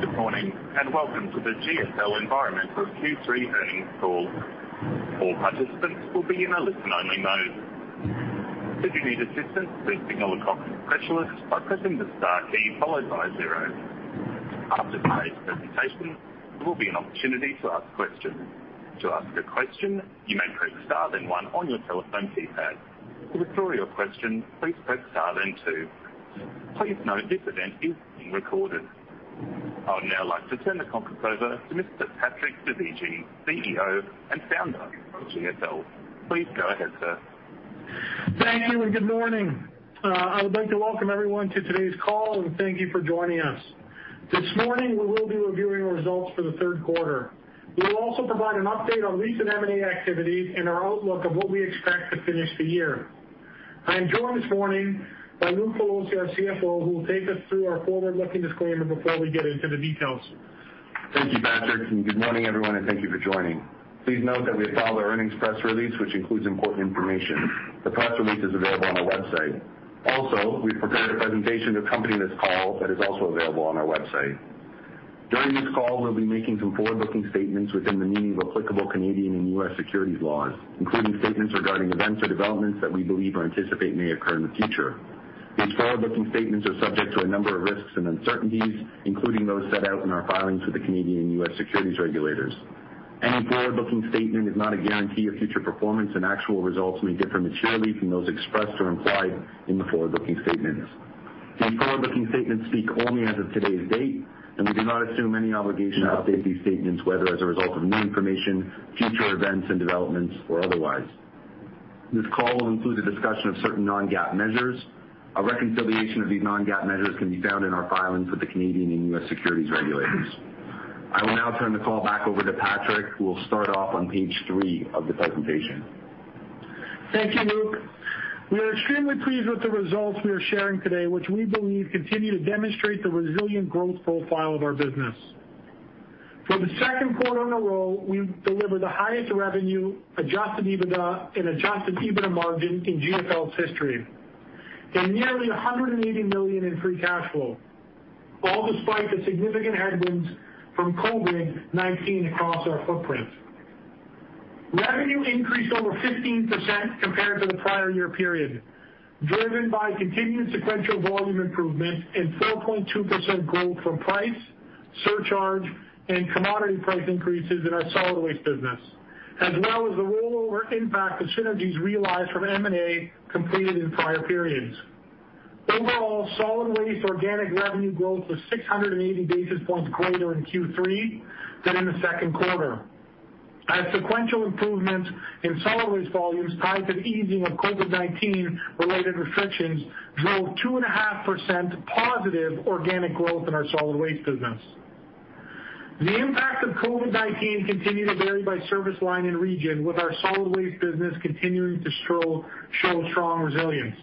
Good morning, welcome to the GFL Environmental Q3 earnings call. I would now like to turn the conference over to Mr. Patrick Dovigi, CEO and founder of GFL. Please go ahead, sir. Thank you, and good morning. I would like to welcome everyone to today's call, and thank you for joining us. This morning, we will be reviewing results for the third quarter. We will also provide an update on recent M&A activity and our outlook of what we expect to finish the year. I am joined this morning by Luke Pelosi, our CFO, who will take us through our forward-looking disclaimer before we get into the details. Thank you, Patrick, and good morning, everyone, and thank you for joining. Please note that we have filed our earnings press release, which includes important information. The press release is available on our website. We've prepared a presentation accompanying this call that is also available on our website. During this call, we'll be making some forward-looking statements within the meaning of applicable Canadian and U.S. securities laws, including statements regarding events or developments that we believe or anticipate may occur in the future. These forward-looking statements are subject to a number of risks and uncertainties, including those set out in our filings with the Canadian and U.S. securities regulators. Any forward-looking statement is not a guarantee of future performance, and actual results may differ materially from those expressed or implied in the forward-looking statements. These forward-looking statements speak only as of today's date, and we do not assume any obligation to update these statements, whether as a result of new information, future events and developments, or otherwise. This call will include a discussion of certain non-GAAP measures. A reconciliation of these non-GAAP measures can be found in our filings with the Canadian and U.S. securities regulators. I will now turn the call back over to Patrick, who will start off on page three of the presentation. Thank you, Luke. We are extremely pleased with the results we are sharing today, which we believe continue to demonstrate the resilient growth profile of our business. For the second quarter in a row, we've delivered the highest revenue, adjusted EBITDA, and adjusted EBITDA margin in GFL's history, and nearly 180 million in free cash flow, all despite the significant headwinds from COVID-19 across our footprint. Revenue increased over 15% compared to the prior year period, driven by continued sequential volume improvements and 4.2% growth from price, surcharge, and commodity price increases in our solid waste business, as well as the rollover impact of synergies realized from M&A completed in prior periods. Overall, solid waste organic revenue growth was 680 basis points greater in Q3 than in the second quarter, as sequential improvements in solid waste volumes tied to the easing of COVID-19-related restrictions drove 2.5% positive organic growth in our solid waste business. The impact of COVID-19 continued to vary by service line and region, with our solid waste business continuing to show strong resilience.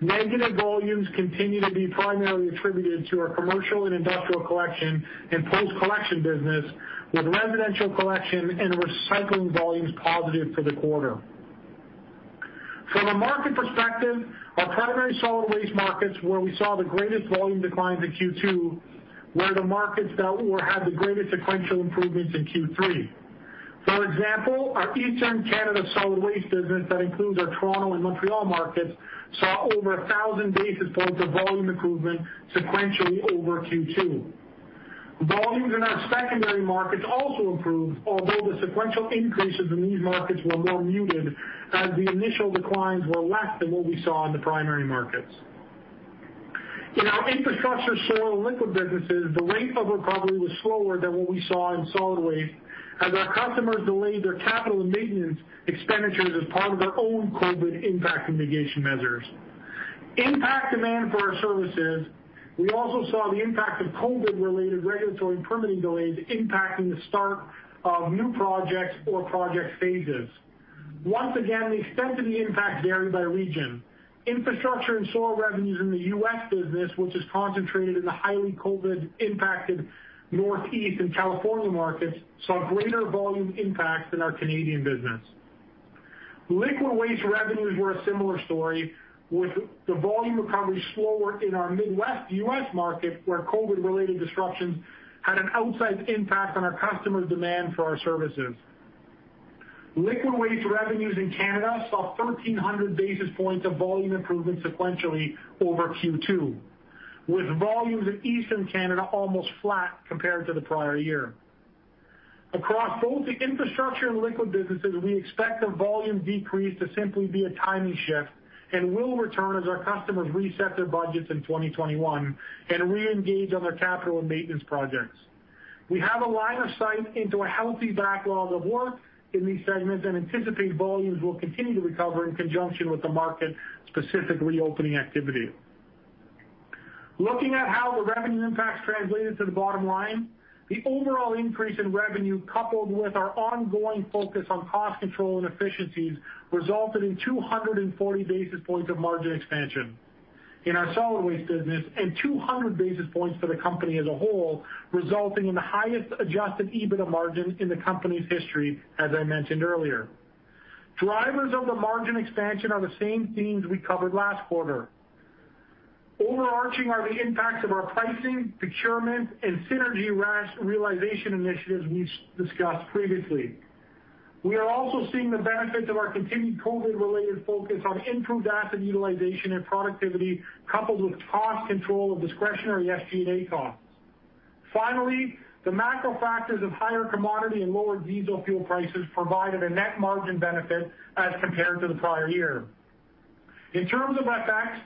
Negative volumes continue to be primarily attributed to our commercial and industrial collection and post-collection business, with residential collection and recycling volumes positive for the quarter. From a market perspective, our primary solid waste markets, where we saw the greatest volume declines in Q2, were the markets that had the greatest sequential improvements in Q3. For example, our Eastern Canada solid waste business, that includes our Toronto and Montreal markets, saw over 1,000 basis points of volume improvement sequentially over Q2. Volumes in our secondary markets also improved, although the sequential increases in these markets were more muted as the initial declines were less than what we saw in the primary markets. In our infrastructure, soil, and liquid businesses, the rate of recovery was slower than what we saw in solid waste as our customers delayed their capital and maintenance expenditures as part of their own COVID impact and mitigation measures. Impact demand for our services, we also saw the impact of COVID-related regulatory and permitting delays impacting the start of new projects or project phases. Once again, the extent of the impact varied by region. Infrastructure and soil revenues in the U.S. business, which is concentrated in the highly COVID-impacted Northeast and California markets, saw greater volume impacts than our Canadian business. Liquid waste revenues were a similar story, with the volume recovery slower in our Midwest U.S. market, where COVID-related disruptions had an outsized impact on our customers' demand for our services. Liquid waste revenues in Canada saw 1,300 basis points of volume improvement sequentially over Q2, with volumes in Eastern Canada almost flat compared to the prior year. Across both the infrastructure and liquid businesses, we expect the volume decrease to simply be a timing shift and will return as our customers reset their budgets in 2021 and reengage on their capital and maintenance projects. We have a line of sight into a healthy backlog of work in these segments and anticipate volumes will continue to recover in conjunction with the market-specific reopening activity. Looking at how the revenue impacts translated to the bottom line, the overall increase in revenue, coupled with our ongoing focus on cost control and efficiencies, resulted in 240 basis points of margin expansion in our solid waste business and 200 basis points for the company as a whole, resulting in the highest adjusted EBITDA margin in the company's history, as I mentioned earlier. Drivers of the margin expansion are the same themes we covered last quarter. Overarching are the impacts of our pricing, procurement, and synergy realization initiatives we discussed previously. We are also seeing the benefits of our continued COVID-related focus on improved asset utilization and productivity, coupled with cost control of discretionary SG&A costs. Finally, the macro factors of higher commodity and lower diesel fuel prices provided a net margin benefit as compared to the prior year. In terms of FX,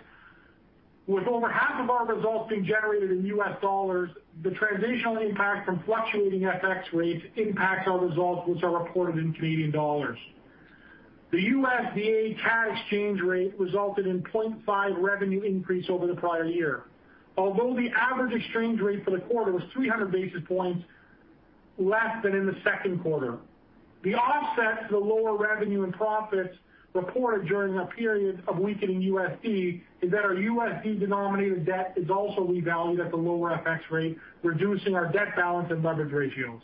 with over half of our results being generated in US dollars, the transitional impact from fluctuating FX rates impacts our results, which are reported in Canadian dollars. The USD to CAD exchange rate resulted in 0.5 revenue increase over the prior year. Although the average exchange rate for the quarter was 300 basis points less than in the second quarter. The offset to the lower revenue and profits reported during a period of weakening USD is that our USD-denominated debt is also revalued at the lower FX rate, reducing our debt balance and leverage ratios.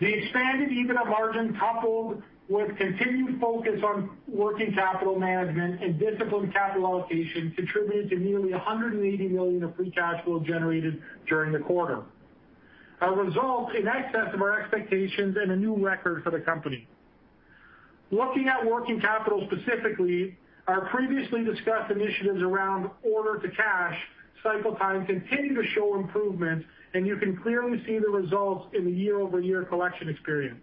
The expanded EBITDA margin, coupled with continued focus on working capital management and disciplined capital allocation, contributed to nearly 180 million of free cash flow generated during the quarter. A result in excess of our expectations and a new record for the company. Looking at working capital specifically, our previously discussed initiatives around order-to-cash cycle time continue to show improvement, and you can clearly see the results in the year-over-year collection experience.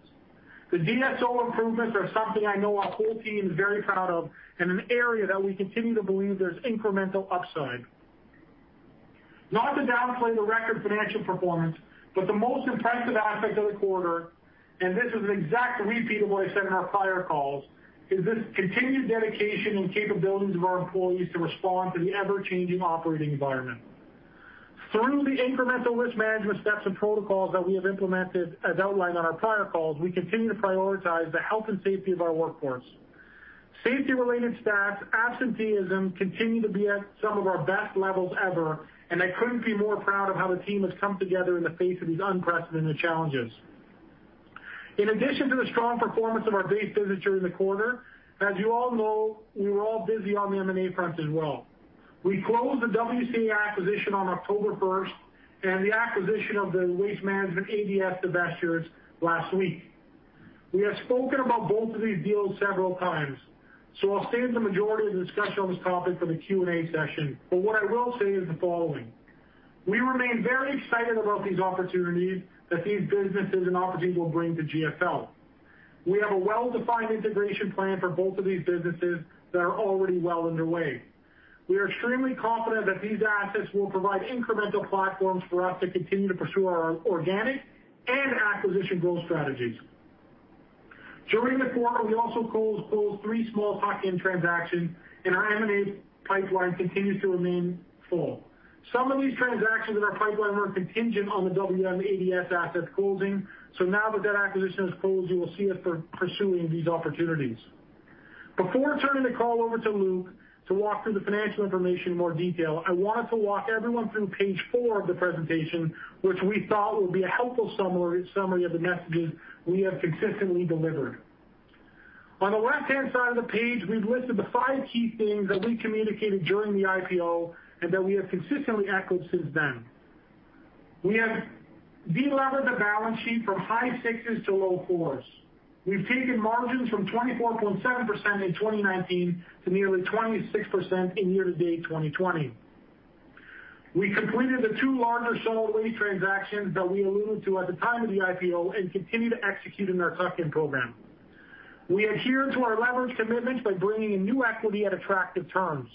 The DSO improvements are something I know our whole team is very proud of, and an area that we continue to believe there's incremental upside. Not to downplay the record financial performance, but the most impressive aspect of the quarter, and this is an exact repeat of what I said on our prior calls, is this continued dedication and capabilities of our employees to respond to the ever-changing operating environment. Through the incremental risk management steps and protocols that we have implemented, as outlined on our prior calls, we continue to prioritize the health and safety of our workforce. Safety-related stats, absenteeism continue to be at some of our best levels ever, and I couldn't be more proud of how the team has come together in the face of these unprecedented challenges. In addition to the strong performance of our base business during the quarter, as you all know, we were all busy on the M&A front as well. We closed the WCA acquisition on October 1st, and the acquisition of the Waste Management Advanced Disposal Services divestiture last week. We have spoken about both of these deals several times, so I'll save the majority of the discussion on this topic for the Q&A session. What I will say is the following: We remain very excited about these businesses and opportunities will bring to GFL. We have a well-defined integration plan for both of these businesses that are already well underway. We are extremely confident that these assets will provide incremental platforms for us to continue to pursue our organic and acquisition growth strategies. During the quarter, we also closed three small tuck-in transactions, and our M&A pipeline continues to remain full. Some of these transactions in our pipeline were contingent on the WM ADS asset closing, so now that that acquisition has closed, you will see us pursuing these opportunities. Before turning the call over to Luke Pelosi to walk through the financial information in more detail, I wanted to walk everyone through page four of the presentation, which we thought would be a helpful summary of the messages we have consistently delivered. On the left-hand side of the page, we've listed the five key things that we communicated during the IPO and that we have consistently echoed since then. We have de-levered the balance sheet from high sixes to low fours. We've taken margins from 24.7% in 2019 to nearly 26% in year-to-date 2020. We completed the two larger solid waste transactions that we alluded to at the time of the IPO and continue to execute in our tuck-in program. We adhere to our leverage commitments by bringing in new equity at attractive terms.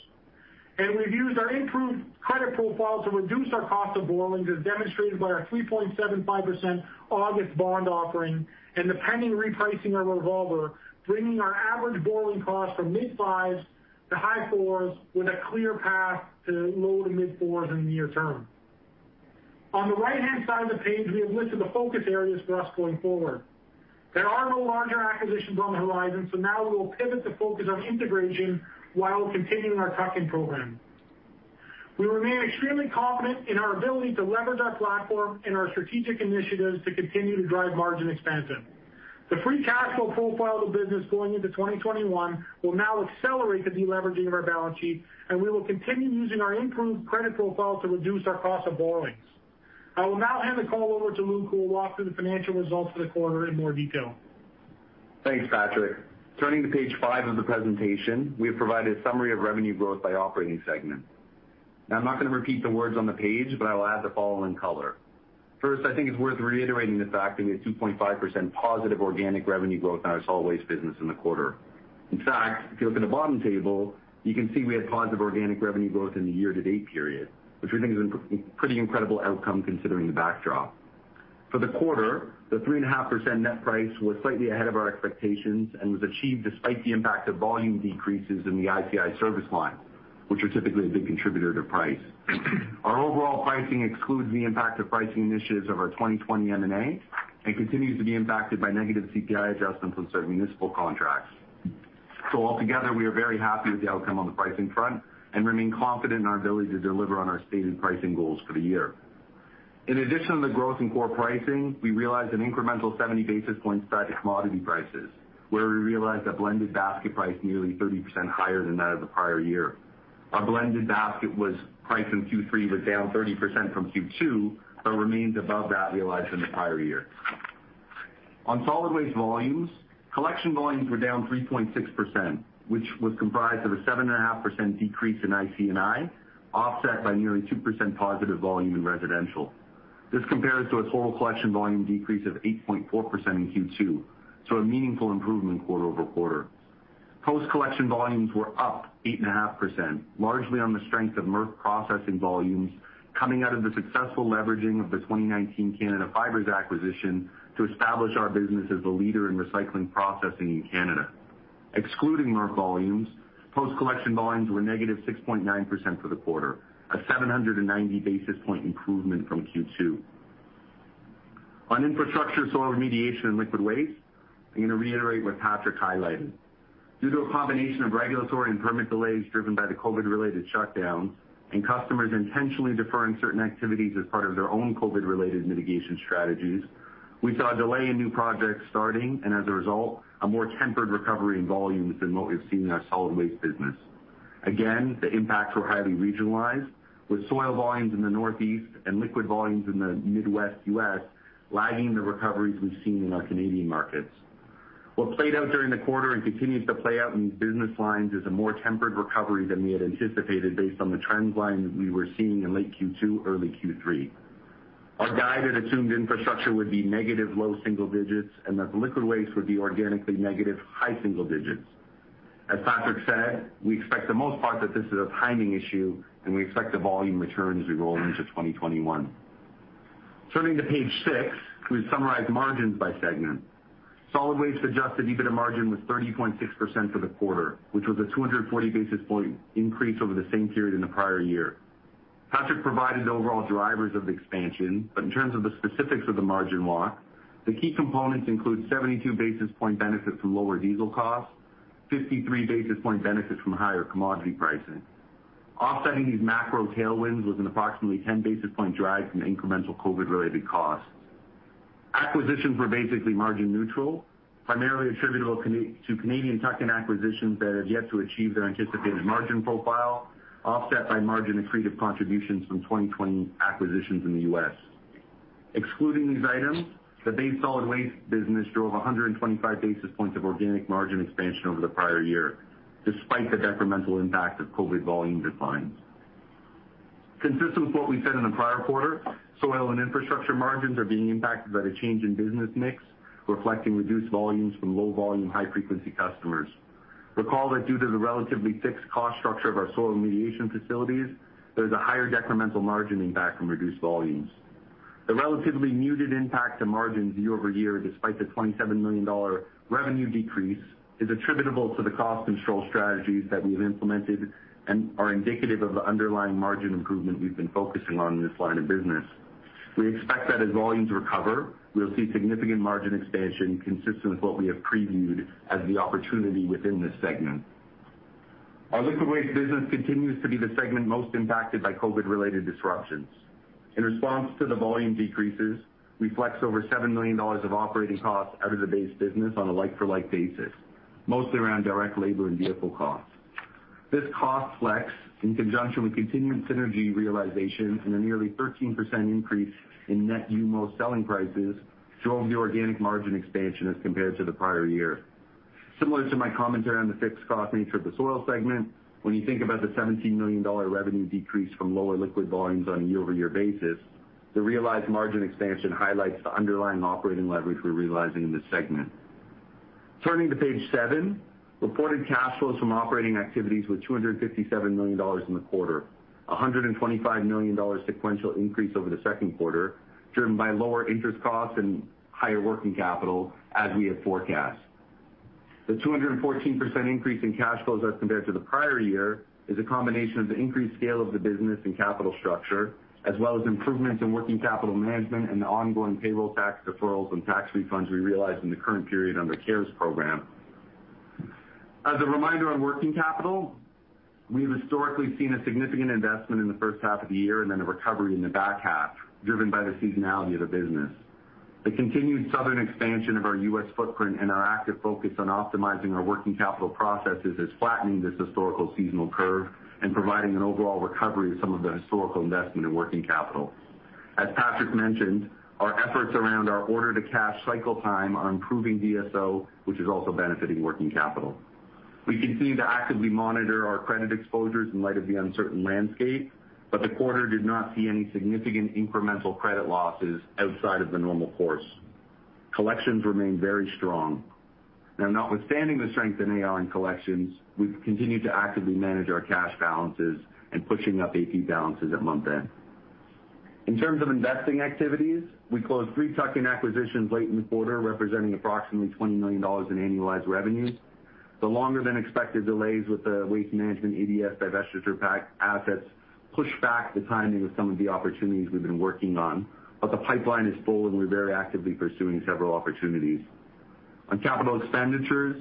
We've used our improved credit profile to reduce our cost of borrowings, as demonstrated by our 3.75% August bond offering and the pending repricing of our revolver, bringing our average borrowing cost from mid-fives to high fours with a clear path to low to mid-fours in the near term. On the right-hand side of the page, we have listed the focus areas for us going forward. There are no larger acquisitions on the horizon, so now we will pivot to focus on integration while continuing our tuck-in program. We remain extremely confident in our ability to leverage our platform and our strategic initiatives to continue to drive margin expansion. The free cash flow profile of the business going into 2021 will now accelerate the de-leveraging of our balance sheet, and we will continue using our improved credit profile to reduce our cost of borrowings. I will now hand the call over to Luke, who will walk through the financial results for the quarter in more detail. Thanks, Patrick. Turning to page five of the presentation, we have provided a summary of revenue growth by operating segment. I'm not going to repeat the words on the page, but I will add the following color. I think it's worth reiterating the fact that we had 2.5% positive organic revenue growth in our solid waste business in the quarter. If you look in the bottom table, you can see we had positive organic revenue growth in the year-to-date period, which we think is a pretty incredible outcome considering the backdrop. The 3.5% net price was slightly ahead of our expectations and was achieved despite the impact of volume decreases in the ICI service line, which are typically a big contributor to price. Our overall pricing excludes the impact of pricing initiatives of our 2020 M&A and continues to be impacted by negative CPI adjustments on certain municipal contracts. Altogether, we are very happy with the outcome on the pricing front and remain confident in our ability to deliver on our stated pricing goals for the year. In addition to the growth in core pricing, we realized an incremental 70 basis points spread to commodity prices, where we realized a blended basket price nearly 30% higher than that of the prior year. Our blended basket was priced in Q3, was down 30% from Q2, remains above that realized in the prior year. On solid waste volumes, collection volumes were down 3.6%, which was comprised of a 7.5% decrease in IC&I, offset by nearly 2% positive volume in residential. This compares to a total collection volume decrease of 8.4% in Q2, a meaningful improvement quarter-over-quarter. Post-collection volumes were up 8.5%, largely on the strength of MRF processing volumes coming out of the successful leveraging of the 2019 Canada Fibers acquisition to establish our business as a leader in recycling processing in Canada. Excluding MRF volumes, post-collection volumes were negative 6.9% for the quarter, a 790-basis point improvement from Q2. On infrastructure, soil remediation, and liquid waste, I'm going to reiterate what Patrick highlighted. Due to a combination of regulatory and permit delays driven by the COVID-related shutdowns and customers intentionally deferring certain activities as part of their own COVID-related mitigation strategies, we saw a delay in new projects starting, as a result, a more tempered recovery in volumes than what we've seen in our solid waste business. Again, the impacts were highly regionalized, with soil volumes in the Northeast and liquid volumes in the Midwest U.S. lagging the recoveries we've seen in our Canadian markets. What played out during the quarter and continues to play out in these business lines is a more tempered recovery than we had anticipated based on the trend line that we were seeing in late Q2, early Q3. Our guide had assumed infrastructure would be negative low single digits and that liquid waste would be organically negative high single digits. As Patrick said, we expect the most part that this is a timing issue, we expect the volume return as we roll into 2021. Turning to page six, we've summarized margins by segment. Solid waste adjusted EBITDA margin was 30.6% for the quarter, which was a 240-basis point increase over the same period in the prior year. Patrick provided the overall drivers of the expansion. In terms of the specifics of the margin walk, the key components include 72 basis point benefit from lower diesel costs, 53 basis point benefit from higher commodity pricing. Offsetting these macro tailwinds was an approximately 10-basis point drag from incremental COVID-19-related costs. Acquisitions were basically margin neutral, primarily attributable to Canadian tuck-in acquisitions that have yet to achieve their anticipated margin profile, offset by margin-accretive contributions from 2020 acquisitions in the U.S. Excluding these items, the base solid waste business drove 125 basis points of organic margin expansion over the prior year, despite the detrimental impact of COVID-19 volume declines. Consistent with what we said in the prior quarter, soil and infrastructure margins are being impacted by the change in business mix, reflecting reduced volumes from low-volume, high-frequency customers. Recall that due to the relatively fixed cost structure of our soil remediation facilities, there is a higher decremental margin impact from reduced volumes. The relatively muted impact to margins year-over-year, despite the 27 million dollar revenue decrease, is attributable to the cost control strategies that we've implemented and are indicative of the underlying margin improvement we've been focusing on in this line of business. We expect that as volumes recover, we'll see significant margin expansion consistent with what we have previewed as the opportunity within this segment. Our liquid waste business continues to be the segment most impacted by COVID-related disruptions. In response to the volume decreases, we flexed over 7 million dollars of operating costs out of the base business on a like-for-like basis, mostly around direct labor and vehicle costs. This cost flex, in conjunction with continuing synergy realization and a nearly 13% increase in net new most selling prices, drove the organic margin expansion as compared to the prior year. Similar to my commentary on the fixed cost nature of the soil segment, when you think about the 17 million dollar revenue decrease from lower liquid volumes on a year-over-year basis, the realized margin expansion highlights the underlying operating leverage we're realizing in this segment. Turning to page seven, reported cash flows from operating activities were 257 million dollars in the quarter, 125 million dollars sequential increase over the second quarter, driven by lower interest costs and higher working capital as we had forecast. The 214% increase in cash flows as compared to the prior year is a combination of the increased scale of the business and capital structure, as well as improvements in working capital management and the ongoing payroll tax deferrals and tax refunds we realized in the current period under the CARES program. As a reminder on working capital, we have historically seen a significant investment in the first half of the year and then a recovery in the back half, driven by the seasonality of the business. The continued southern expansion of our U.S. footprint and our active focus on optimizing our working capital processes is flattening this historical seasonal curve and providing an overall recovery of some of the historical investment in working capital. As Patrick mentioned, our efforts around our order-to-cash cycle time are improving DSO, which is also benefiting working capital. We continue to actively monitor our credit exposures in light of the uncertain landscape, but the quarter did not see any significant incremental credit losses outside of the normal course. Collections remain very strong. Now, notwithstanding the strength in AR and collections, we continue to actively manage our cash balances and pushing up AP balances at month-end. In terms of investing activities, we closed three tuck-in acquisitions late in the quarter, representing approximately 20 million dollars in annualized revenue. The longer-than-expected delays with the Waste Management ADS Divestiture pack assets pushed back the timing of some of the opportunities we've been working on, but the pipeline is full and we're very actively pursuing several opportunities. On capital expenditures,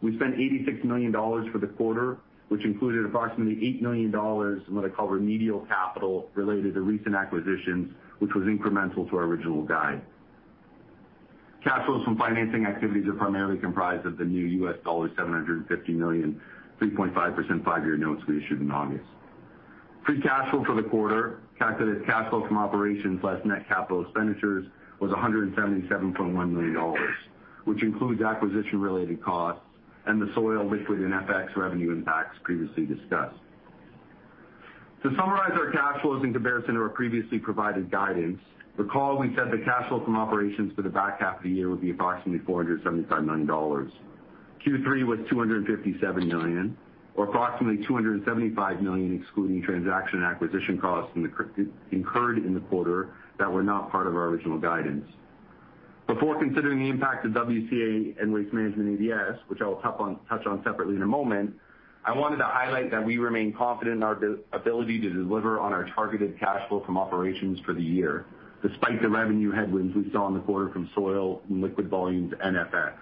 we spent 86 million dollars for the quarter, which included approximately 8 million dollars in what I call remedial capital related to recent acquisitions, which was incremental to our original guide. Cash flows from financing activities are primarily comprised of the new US dollar $750 million, 3.5% five-year notes we issued in August. Free cash flow for the quarter, calculated cash flow from operations plus net CapEx, was $177.1 million, which includes acquisition-related costs and the soil, liquid, and FX revenue impacts previously discussed. To summarize our cash flows in comparison to our previously provided guidance, recall we said the cash flow from operations for the back half of the year would be approximately $475 million. Q3 was $257 million or approximately $275 million, excluding transaction acquisition costs incurred in the quarter that were not part of our original guidance. Before considering the impact of WCA and Waste Management ADS, which I will touch on separately in a moment, I wanted to highlight that we remain confident in our ability to deliver on our targeted cash flow from operations for the year, despite the revenue headwinds we saw in the quarter from soil and liquid volumes and FX,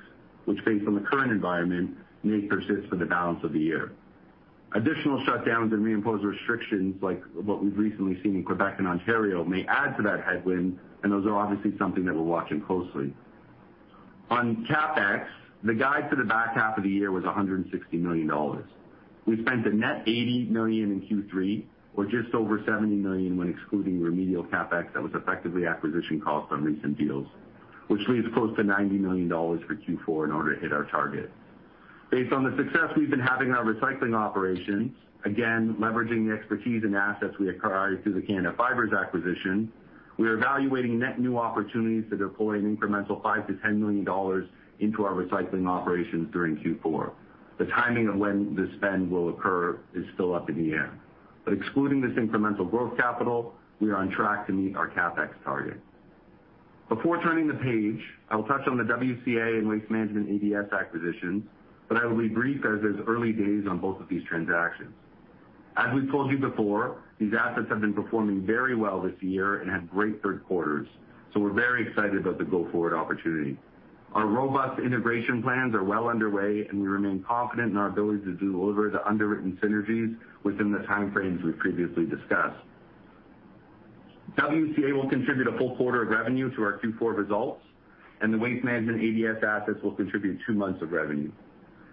which, based on the current environment, may persist for the balance of the year. Additional shutdowns and reimposed restrictions like what we've recently seen in Quebec and Ontario may add to that headwind, those are obviously something that we're watching closely. On CapEx, the guide for the back half of the year was 160 million dollars. We spent a net 80 million in Q3 or just over 70 million when excluding remedial CapEx that was effectively acquisition costs on recent deals. Which leaves close to 90 million dollars for Q4 in order to hit our target. Based on the success we've been having in our recycling operations, again, leveraging the expertise and assets we acquired through the Canada Fibers acquisition, we are evaluating net new opportunities to deploy an incremental 5 million to 10 million dollars into our recycling operations during Q4. The timing of when this spend will occur is still up in the air. Excluding this incremental growth capital, we are on track to meet our CapEx target. Before turning the page, I will touch on the WCA and Waste Management ADS acquisitions, but I will be brief as it's early days on both of these transactions. As we've told you before, these assets have been performing very well this year and had great third quarters, so we're very excited about the go-forward opportunity. Our robust integration plans are well underway, and we remain confident in our ability to deliver the underwritten synergies within the time frames we previously discussed. WCA will contribute a full quarter of revenue to our Q4 results, and the Waste Management ADS assets will contribute two months of revenue.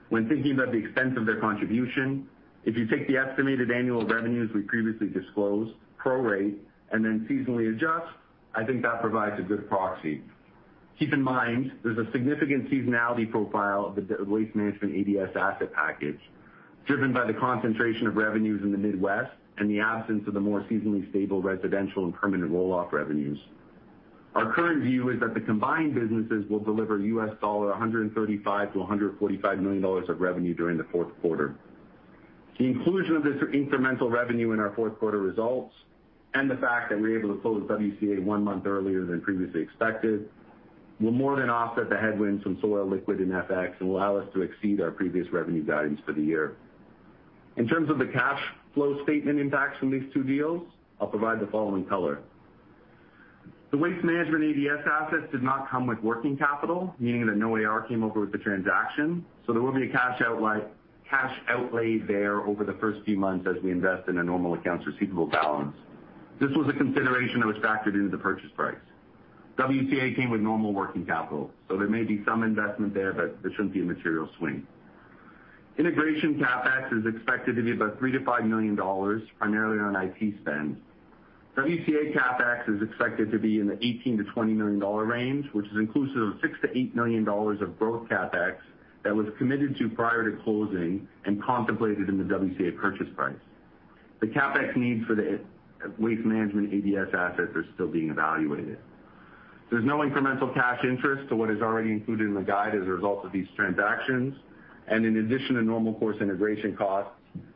When thinking about the extent of their contribution, if you take the estimated annual revenues we previously disclosed, prorate, and then seasonally adjust, I think that provides a good proxy. Keep in mind there's a significant seasonality profile of the Waste Management ADS asset package, driven by the concentration of revenues in the Midwest and the absence of the more seasonally stable residential and permanent roll-off revenues. Our current view is that the combined businesses will deliver US dollar $135 million-$145 million of revenue during the fourth quarter. The inclusion of this incremental revenue in our fourth quarter results, and the fact that we were able to close WCA one month earlier than previously expected, will more than offset the headwinds from soil, liquid, and FX and will allow us to exceed our previous revenue guidance for the year. In terms of the cash flow statement impacts from these two deals, I'll provide the following color. The Waste Management ADS assets did not come with working capital, meaning that no AR came over with the transaction, so there will be a cash outlay there over the first few months as we invest in a normal accounts receivable balance. This was a consideration that was factored into the purchase price. WCA came with normal working capital, so there may be some investment there, but there shouldn't be a material swing. Integration CapEx is expected to be about 3 million-5 million dollars, primarily on IT spend. WCA CapEx is expected to be in the 18 million-20 million dollar range, which is inclusive of 6 million-8 million dollars of growth CapEx that was committed to prior to closing and contemplated in the WCA purchase price. The CapEx needs for the Waste Management ADS assets are still being evaluated. There's no incremental cash interest to what is already included in the guide as a result of these transactions. In addition to normal course integration costs,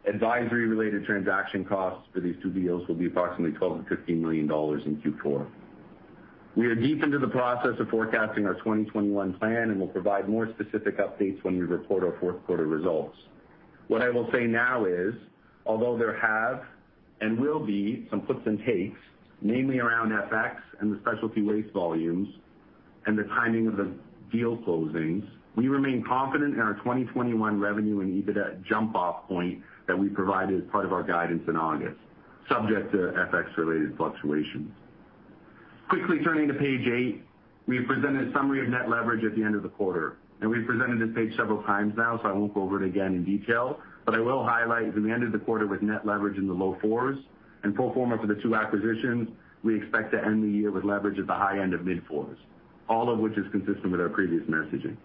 advisory-related transaction costs for these two deals will be approximately 12 million-15 million dollars in Q4. We are deep into the process of forecasting our 2021 plan. We'll provide more specific updates when we report our fourth quarter results. What I will say now is, although there have and will be some puts and takes, namely around FX and the specialty waste volumes and the timing of the deal closings, we remain confident in our 2021 revenue and EBITDA jump-off point that we provided as part of our guidance in August, subject to FX-related fluctuations. Quickly turning to page eight. We have presented a summary of net leverage at the end of the quarter. We've presented this page several times now, so I won't go over it again in detail, but I will highlight that we ended the quarter with net leverage in the low fours and pro forma for the two acquisitions, we expect to end the year with leverage at the high end of mid-fours, all of which is consistent with our previous messaging.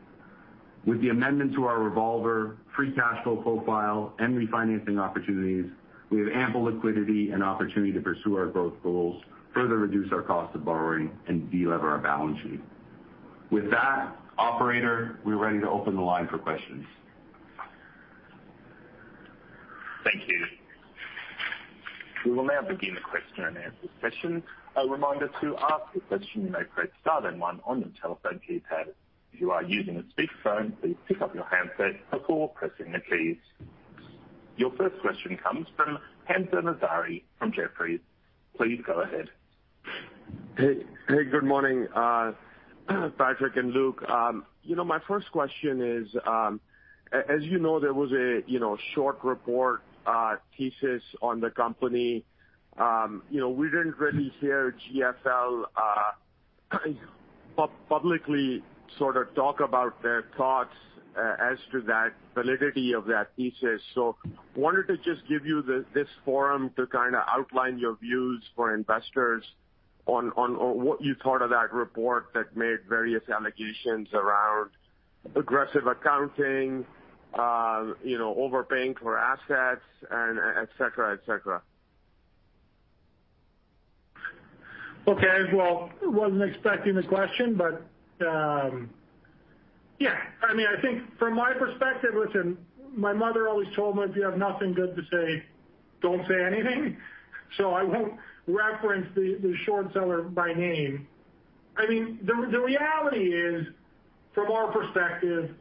With the amendment to our revolver, free cash flow profile, and refinancing opportunities, we have ample liquidity and opportunity to pursue our growth goals, further reduce our cost of borrowing, and de-lever our balance sheet. With that, operator, we are ready to open the line for questions. Thank you. We will now begin the question and answer session. Your first question comes from Hamzah Mazari from Jefferies. Please go ahead. Hey, good morning, Patrick and Luke. My first question is, as you know, there was a short report thesis on the company. We didn't really hear GFL publicly sort of talk about their thoughts as to that validity of that thesis. Wanted to just give you this forum to kind of outline your views for investors on what you thought of that report that made various allegations around aggressive accounting, overpaying for assets and et cetera. Okay. Well, wasn't expecting the question, but yeah. I think from my perspective, listen, my mother always told me, "If you have nothing good to say, don't say anything." I won't reference the short seller by name. The reality is, from our perspective,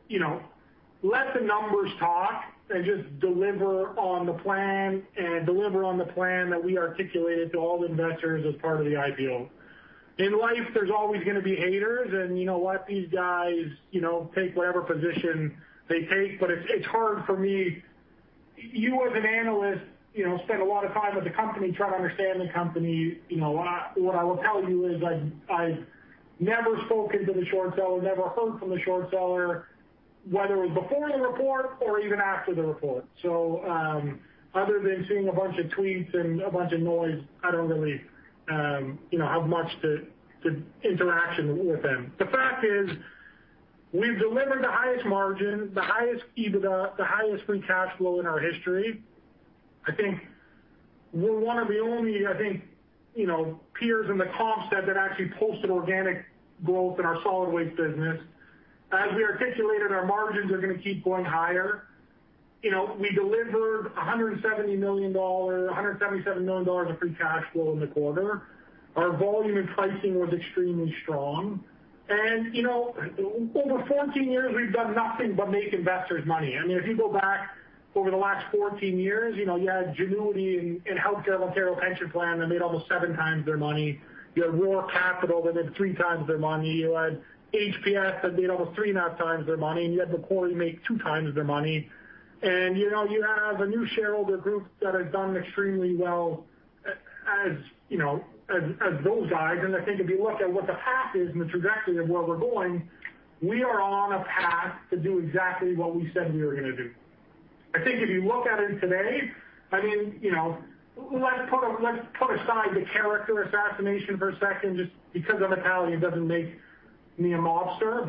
let the numbers talk and just deliver on the plan, and deliver on the plan that we articulated to all the investors as part of the IPO. In life, there's always going to be haters, and let these guys take whatever position they take. It's hard for me. You as an analyst, spend a lot of time with the company trying to understand the company. What I will tell you is I've never spoken to the short seller, never heard from the short seller, whether it was before the report or even after the report. Other than seeing a bunch of tweets and a bunch of noise, I don't really have much interaction with them. The fact is, we've delivered the highest margin, the highest EBITDA, the highest free cash flow in our history. I think we're one of the only peers in the comp set that actually posted organic growth in our solid waste business. As we articulated, our margins are going to keep going higher. We delivered 177 million dollars of free cash flow in the quarter. Our volume and pricing was extremely strong. Over 14 years, we've done nothing but make investors money. If you go back over the last 14 years, you had Genuity and Healthcare of Ontario Pension Plan that made almost 7 times their money. You had Roark Capital that made 3x their money. You had HPS that made almost 3.5x their money. You had Macquarie make two times their money. You have a new shareholder group that has done extremely well as those guys. I think if you look at what the path is and the trajectory of where we're going, we are on a path to do exactly what we said we were going to do. I think if you look at it today. Let's put aside the character assassination for a second. Just because I'm Italian doesn't make me a mobster,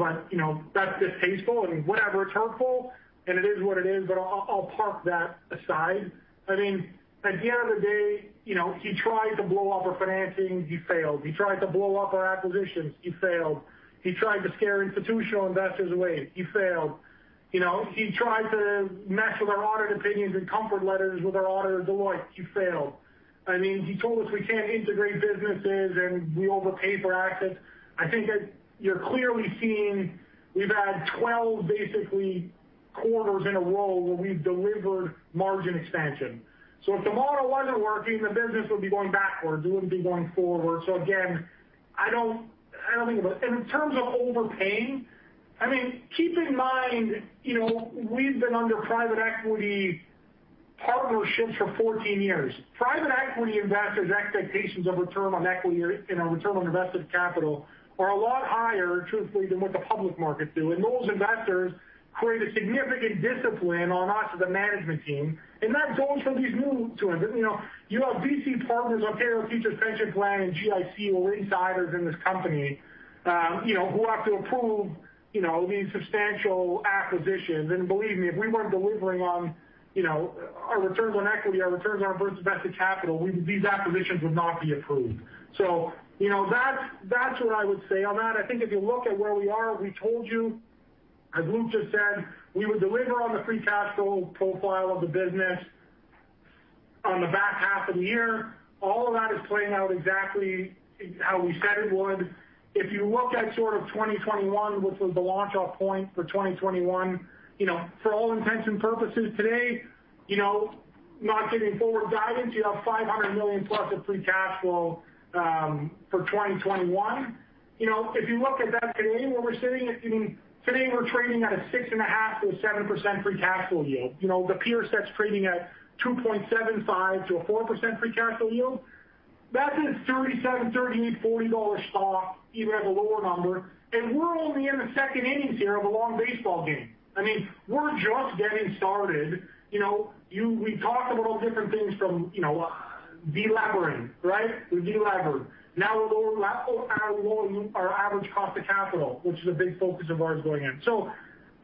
that's distasteful. I mean, whatever. It's hurtful and it is what it is, I'll park that aside. At the end of the day, he tried to blow up our financing, he failed. He tried to blow up our acquisitions, he failed. He tried to scare institutional investors away, he failed. He tried to mess with our audit opinions and comfort letters with our auditor, Deloitte, he failed. He told us we can't integrate businesses and we overpay for assets. I think that you're clearly seeing we've had 12, basically, quarters in a row where we've delivered margin expansion. If the model wasn't working, the business would be going backwards, it wouldn't be going forward. Again, I don't think of it. In terms of overpaying, keep in mind, we've been under private equity partnerships for 14 years. Private equity investors' expectations of return on equity and our return on invested capital are a lot higher, truthfully, than what the public markets do. Those investors create a significant discipline on us as a management team. That goes for these new ones. You have BC Partners, Ontario Teachers' Pension Plan and GIC are insiders in this company, who have to approve these substantial acquisitions. Believe me, if we weren't delivering on our returns on equity, our returns on invested capital, these acquisitions would not be approved. That's what I would say on that. I think if you look at where we are, we told you, as Luke just said, we would deliver on the free cash flow profile of the business on the back half of the year. All of that is playing out exactly how we said it would. If you look at sort of 2021, which was the launch off point for 2021, for all intents and purposes today, not giving forward guidance, you have 500 million+ of free cash flow for 2021. If you look at that today, where we're sitting, today we're trading at a 6.5% to 7% free cash flow yield. The peer set's trading at 2.75% to a 4% free cash flow yield. That's a 37 dollar, 38 dollar, 40 dollar stock, even at a lower number. We're only in the second innings here of a long baseball game. We're just getting started. We've talked about all different things from de-levering. We de-levered. We'll lower our average cost of capital, which is a big focus of ours going in.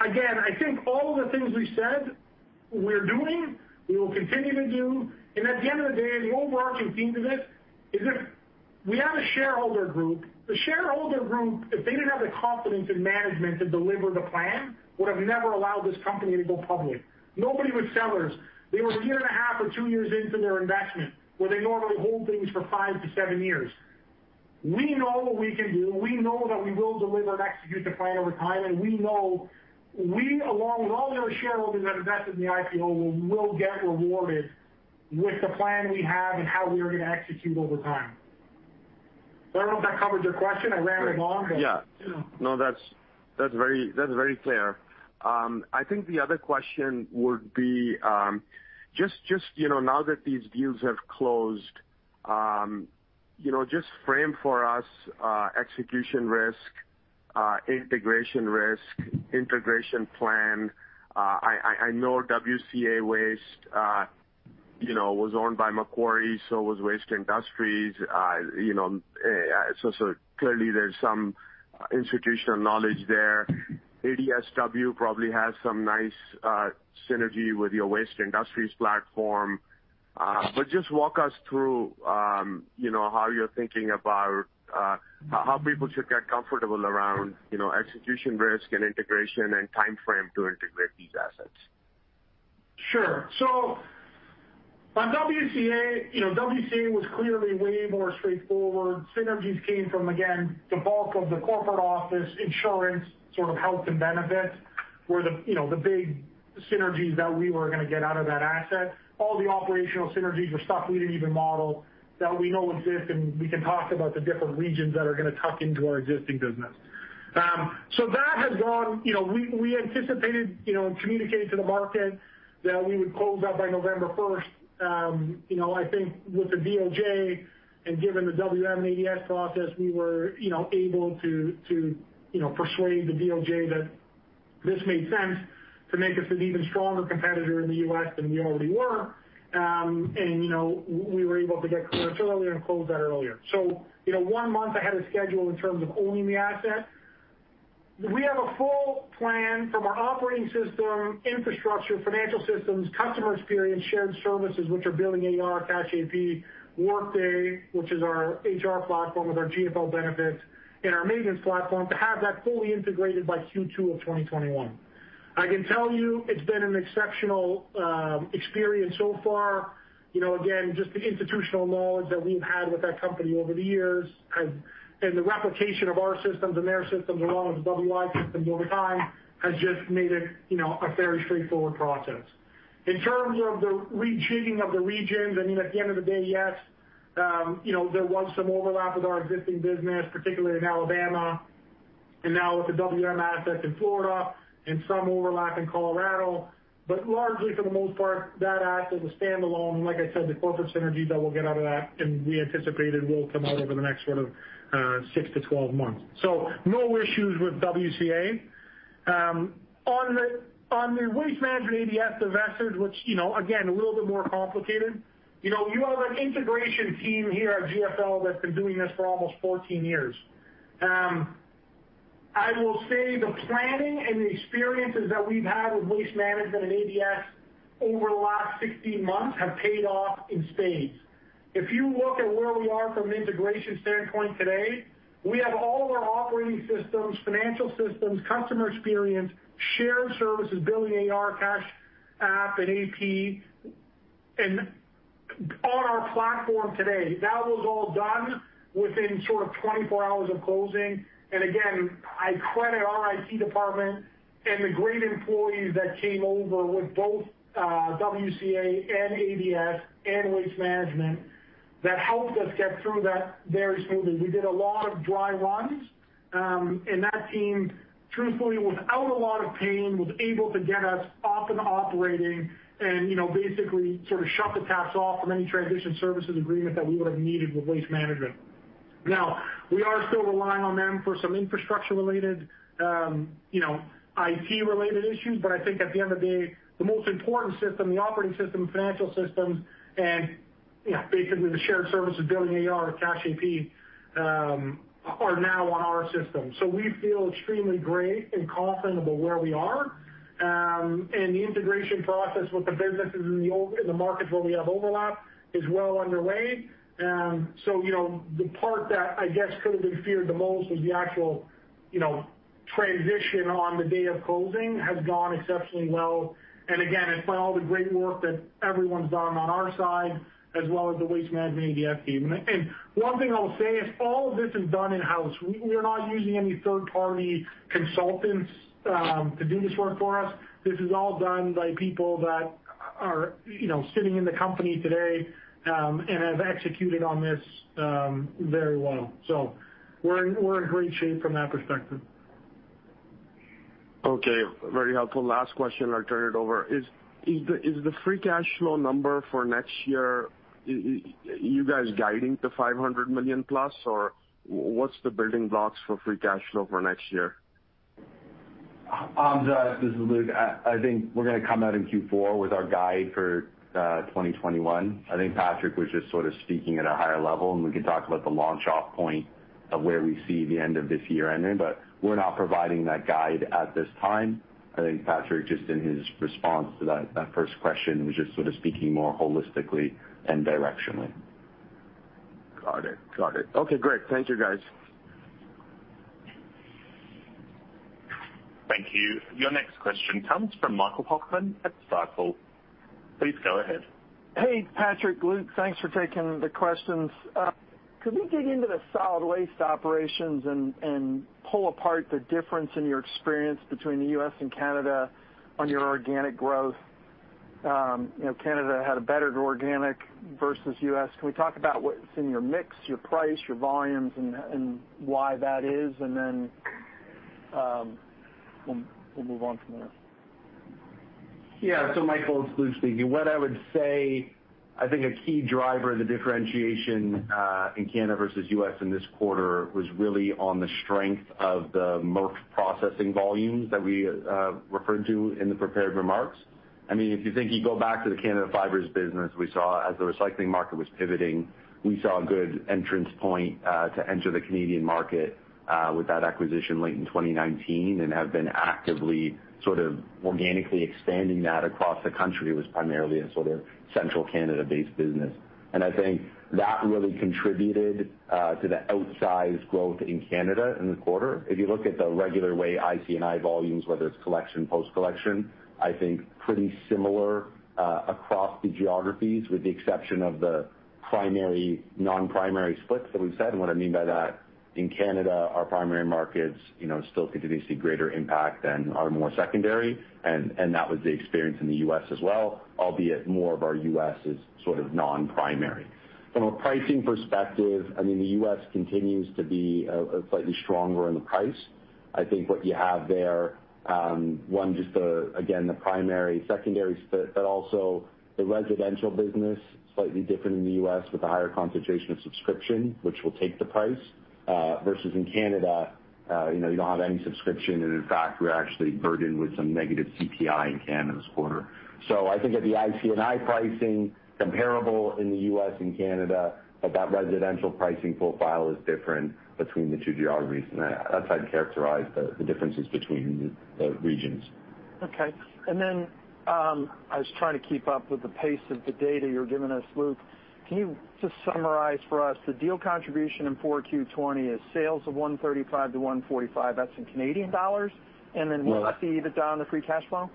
Again, I think all of the things we said we're doing, we will continue to do. At the end of the day, the overarching theme to this is if we have a shareholder group, the shareholder group, if they didn't have the confidence in management to deliver the plan, would have never allowed this company to go public. Nobody was sellers. They were a year and a half or two years into their investment, where they normally hold things for five to seven years. We know what we can do. We know that we will deliver and execute the plan over time, and we know we, along with all the other shareholders that invested in the IPO, will get rewarded with the plan we have and how we are going to execute over time. I don't know if that covered your question. I ran it long. No, that's very clear. I think the other question would be, just now that these deals have closed, just frame for us execution risk, integration risk, integration plan. I know WCA Waste was owned by Macquarie, so was Waste Industries. Clearly there's some institutional knowledge there. ADSW probably has some nice synergy with your Waste Industries platform. Just walk us through how you're thinking about how people should get comfortable around execution risk and integration and timeframe to integrate these assets. Sure. On WCA was clearly way more straightforward. Synergies came from, again, the bulk of the corporate office insurance sort of health and benefits were the big synergies that we were going to get out of that asset. All the operational synergies were stuff we didn't even model that we know exist, and we can talk about the different regions that are going to tuck into our existing business. That has gone We anticipated and communicated to the market that we would close up by November 1st. I think with the DOJ, and given the WM and ADS process, we were able to persuade the DOJ that this made sense to make us an even stronger competitor in the U.S. than we already were. We were able to get clearance earlier and close that earlier. One month ahead of schedule in terms of owning the asset. We have a full plan from our operating system, infrastructure, financial systems, customer experience, shared services, which are billing AR, cash AP, Workday, which is our HR platform with our GFL benefits and our maintenance platform to have that fully integrated by Q2 of 2021. I can tell you it's been an exceptional experience so far. Again, just the institutional knowledge that we've had with that company over the years, the replication of our systems and their systems, along with the WI systems over time, has just made it a very straightforward process. In terms of the rejigging of the regions, at the end of the day, yes, there was some overlap with our existing business, particularly in Alabama and now with the WM assets in Florida and some overlap in Colorado. Largely for the most part, that asset is a standalone. Like I said, the corporate synergies that we'll get out of that and we anticipated will come out over the next sort of 6 to 12 months. No issues with WCA. On the Waste Management ADS divestiture, which again, a little bit more complicated. You have an integration team here at GFL that's been doing this for almost 14 years. I will say the planning and the experiences that we've had with Waste Management and ADS over the last 16 months have paid off in spades. If you look at where we are from an integration standpoint today, we have all of our operating systems, financial systems, customer experience, shared services, billing AR, cash app, and AP on our platform today. That was all done within sort of 24 hours of closing. Again, I credit our IT department and the great employees that came over with both WCA and ADS and Waste Management that helped us get through that very smoothly. We did a lot of dry runs. That team, truthfully, without a lot of pain, was able to get us up and operating and basically sort of shut the taps off from any transition services agreement that we would've needed with Waste Management. We are still relying on them for some infrastructure-related, IT-related issues. I think at the end of the day, the most important system, the operating system, financial systems, and basically the shared services, billing AR and cash app, are now on our system. We feel extremely great and confident about where we are. The integration process with the businesses in the markets where we have overlap is well underway. The part that I guess could've been feared the most was the actual transition on the day of closing has gone exceptionally well. Again, it's by all the great work that everyone's done on our side as well as the Waste Management ADS team. One thing I will say is all of this is done in-house. We are not using any third-party consultants to do this work for us. This is all done by people that are sitting in the company today, and have executed on this very well. We're in great shape from that perspective. Okay. Very helpful. Last question, I'll turn it over. Is the free cash flow number for next year, you guys guiding to 500 million+, or what's the building blocks for free cash flow for next year? Hamzah, this is Luke. I think we're going to come out in Q4 with our guide for 2021. I think Patrick was just sort of speaking at a higher level, and we can talk about the launch off point of where we see the end of this year ending, but we're not providing that guide at this time. I think Patrick, just in his response to that first question, was just sort of speaking more holistically and directionally. Got it. Okay, great. Thank you, guys. Thank you. Your next question comes from Michael Hoffman at Stifel. Please go ahead. Hey, Patrick, Luke. Thanks for taking the questions. Could we dig into the solid waste operations and pull apart the difference in your experience between the U.S. and Canada on your organic growth? Canada had a better organic versus U.S. Can we talk about what's in your mix, your price, your volumes, and why that is? We'll move on from there. Michael, it's Luke speaking. What I would say, I think a key driver of the differentiation, in Canada versus U.S. in this quarter was really on the strength of the MRF processing volumes that we referred to in the prepared remarks. If you think, you go back to the Canada Fibers business, as the recycling market was pivoting, we saw a good entrance point to enter the Canadian market, with that acquisition late in 2019, and have been actively sort of organically expanding that across the country. It was primarily a sort of central Canada-based business. I think that really contributed to the outsized growth in Canada in the quarter. If you look at the regular way IC&I volumes, whether it's collection, post-collection, I think pretty similar, across the geographies with the exception of the primary/non-primary splits that we've said. What I mean by that, in Canada, our primary markets still continuously greater impact than our more secondary, and that was the experience in the U.S. as well, albeit more of our U.S. is sort of non-primary. From a pricing perspective, the U.S. continues to be slightly stronger in the price. I think what you have there, one, just the, again, the primary, secondary split, but also the residential business, slightly different in the U.S. with a higher concentration of subscription, which will take the price. Versus in Canada, you don't have any subscription, and in fact, we're actually burdened with some negative CPI in Canada this quarter. I think at the IC&I pricing comparable in the U.S. and Canada, but that residential pricing profile is different between the two geographies, and that's how I'd characterize the differences between the regions. Okay. I was trying to keep up with the pace of the data you're giving us, Luke. Can you just summarize for us the deal contribution in 4Q20 as sales of 135-145, that's in Canadian dollars? Yes. Will that feed the free cash flow?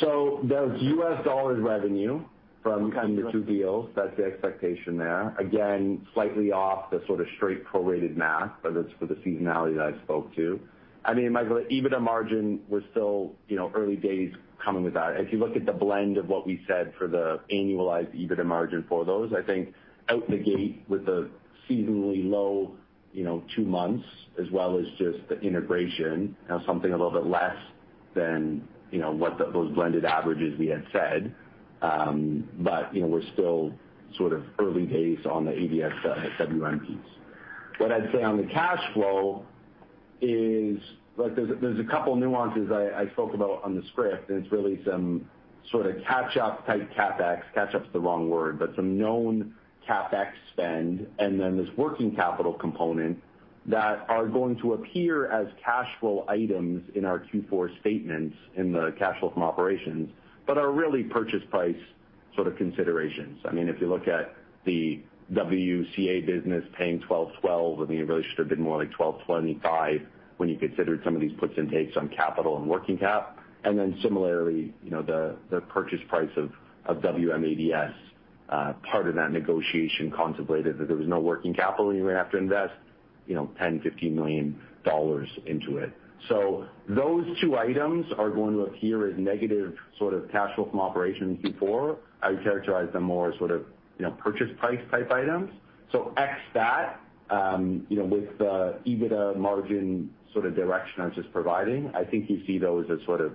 that's U.S. dollar revenue from- Okay the two deals. That's the expectation there. Again, slightly off the sort of straight prorated math, but it's for the seasonality that I spoke to. Michael, EBITDA margin we're still early days coming with that. If you look at the blend of what we said for the annualized EBITDA margin for those, I think out the gate with the seasonally low two months as well as just the integration, something a little bit less than what those blended averages we had said. We're still sort of early days on the ADS-WM. What I'd say on the cash flow is there's a couple of nuances I spoke about on the script, and it's really some sort of catch up type CapEx. Catch up's the wrong word, but some known CapEx spend, and then this working capital component that are going to appear as cash flow items in our Q4 statements in the cash flow from operations, but are really purchase price sort of considerations. If you look at the WCA business paying 12 12, and really should have been more like 12 25 when you considered some of these puts and takes on capital and working cap. Similarly, the purchase price of WM ADS, part of that negotiation contemplated that there was no working capital, you're going to have to invest 10 million, 15 million dollars into it. Those two items are going to appear as negative sort of cash flow from operations Q4. I would characterize them more as sort of purchase price type items. Ex that, with the EBITDA margin sort of direction I was just providing, I think you see those as sort of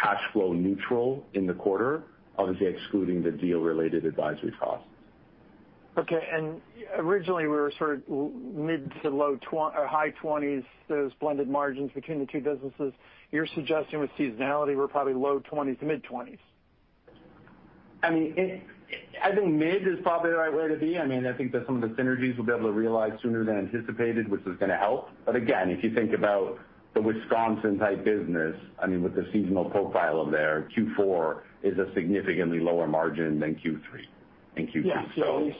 cash flow neutral in the quarter, obviously excluding the deal related advisory costs. Okay. Originally, we were sort of mid to high 20s, those blended margins between the two businesses. You're suggesting with seasonality we're probably low 20s to mid-20s? I think mid is probably the right way to be. I think that some of the synergies we'll be able to realize sooner than anticipated, which is gonna help. Again, if you think about the Wisconsin type business, with the seasonal profile of their Q4 is a significantly lower margin than Q3. Yeah.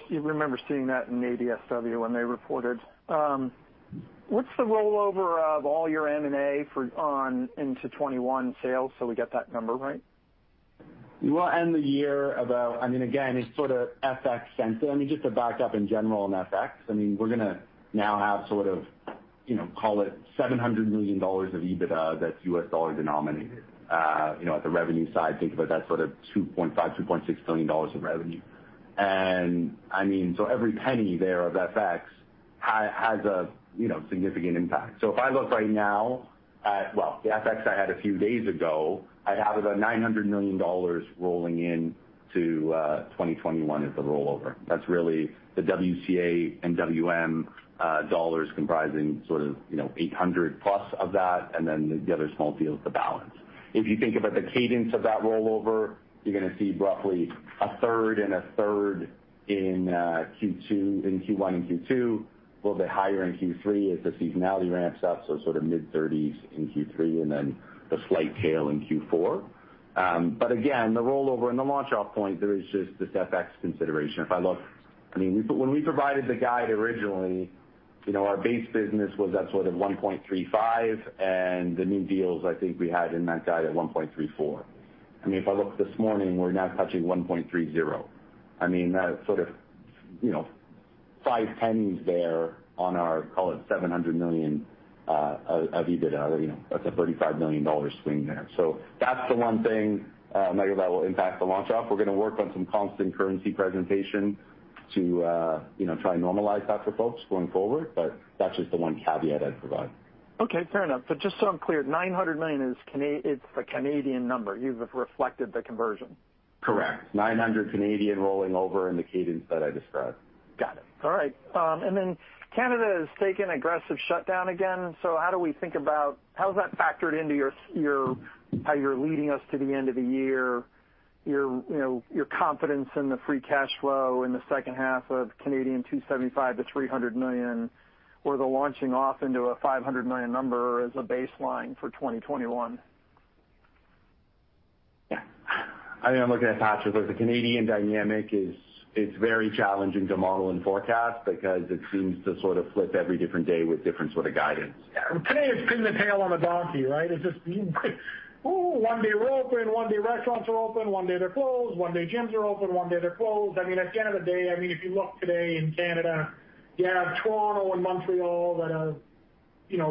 You remember seeing that in ADSW when they reported. What's the rollover of all your M&A on into 2021 sales so we get that number right? We'll end the year. Again, it's sort of FX sensitive. Just to back up in general on FX, we're going to now have sort of call it $700 million of EBITDA that's U.S. dollar denominated. At the revenue side, think about that sort of 2.5 billion, 2.6 billion dollars of revenue. Every penny there of FX has a significant impact. If I look right now at, well, the FX I had a few days ago, I'd have about 900 million dollars rolling into 2021 as the rollover. That's really the WCA and WM dollars comprising sort of $800 plus of that, the other small deals, the balance. If you think about the cadence of that rollover, you're going to see roughly a third and a third in Q1 and Q2, a little bit higher in Q3 as the seasonality ramps up. Sort of mid-30s in Q3, the slight tail in Q4. Again, the rollover and the launch off point there is just this FX consideration. I mean, when we provided the guide originally, our base business was at sort of 1.35, the new deals I think we had in that guide at 1.34. I mean, if I look this morning, we're now touching 1.30. I mean, that is sort of five pennies there on our, call it 700 million of EBITDA. That's a 35 million dollar swing there. That's the one thing that I know that will impact the launch off. We're going to work on some constant currency presentation to try and normalize that for folks going forward. That's just the one caveat I'd provide. Okay. Fair enough. Just so I'm clear, 900 million, it's the Canadian number. You've reflected the conversion. Correct. 900 rolling over in the cadence that I described. Got it. All right. Canada has taken aggressive shutdown again. How do we think about how that's factored into how you're leading us to the end of the year, your confidence in the free cash flow in the second half of 275 million-300 million, or the launching off into a 500 million number as a baseline for 2021? Yeah. I mean, I'm looking at Patrick. Look, the Canadian dynamic is very challenging to model and forecast because it seems to sort of flip every different day with different sort of guidance. Yeah. Today it's pin the tail on the donkey, right? It's just one day we're open, one day restaurants are open, one day they're closed. One day gyms are open, one day they're closed. I mean, at the end of the day, if you look today in Canada, you have Toronto and Montreal that have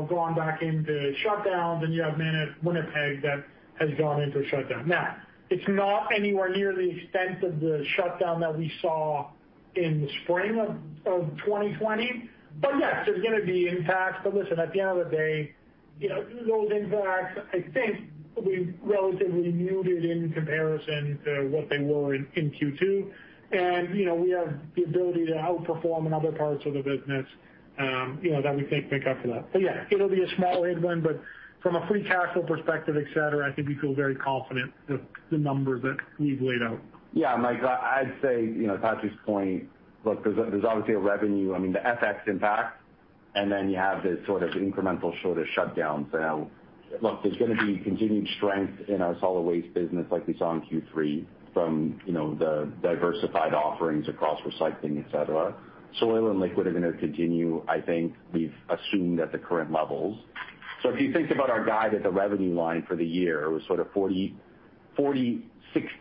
gone back into shutdowns, and you have Winnipeg that has gone into a shutdown. Now, it's not anywhere near the extent of the shutdown that we saw in the spring of 2020. Yes, there's going to be impacts. Listen, at the end of the day, those impacts, I think will be relatively muted in comparison to what they were in Q2. We have the ability to outperform in other parts of the business that we think make up for that. Yeah, it'll be a small headwind, but from a free cash flow perspective, et cetera, I think we feel very confident with the numbers that we've laid out. Yeah, Mike, I'd say to Patrick's point, look, there's obviously a revenue, I mean, the FX impact, and then you have this sort of incremental sort of shutdown. Now, look, there's going to be continued strength in our solid waste business like we saw in Q3 from the diversified offerings across recycling, et cetera. Soil and liquid are going to continue, I think we've assumed at the current levels. If you think about our guide at the revenue line for the year, it was sort of 40-60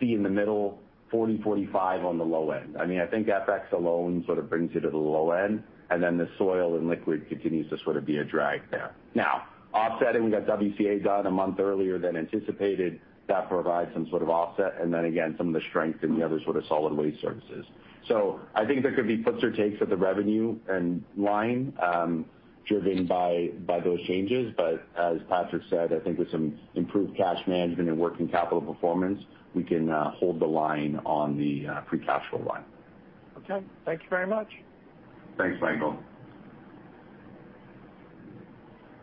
in the middle, 40-45 on the low end. I mean, I think FX alone sort of brings you to the low end, and then the soil and liquid continues to sort of be a drag there. Now, offsetting, we got WCA done one month earlier than anticipated. That provides some sort of offset, and then again, some of the strength in the other sort of solid waste services. I think there could be puts or takes at the revenue and line, driven by those changes. As Patrick said, I think with some improved cash management and working capital performance, we can hold the line on the free cash flow line. Okay. Thank you very much. Thanks, Michael.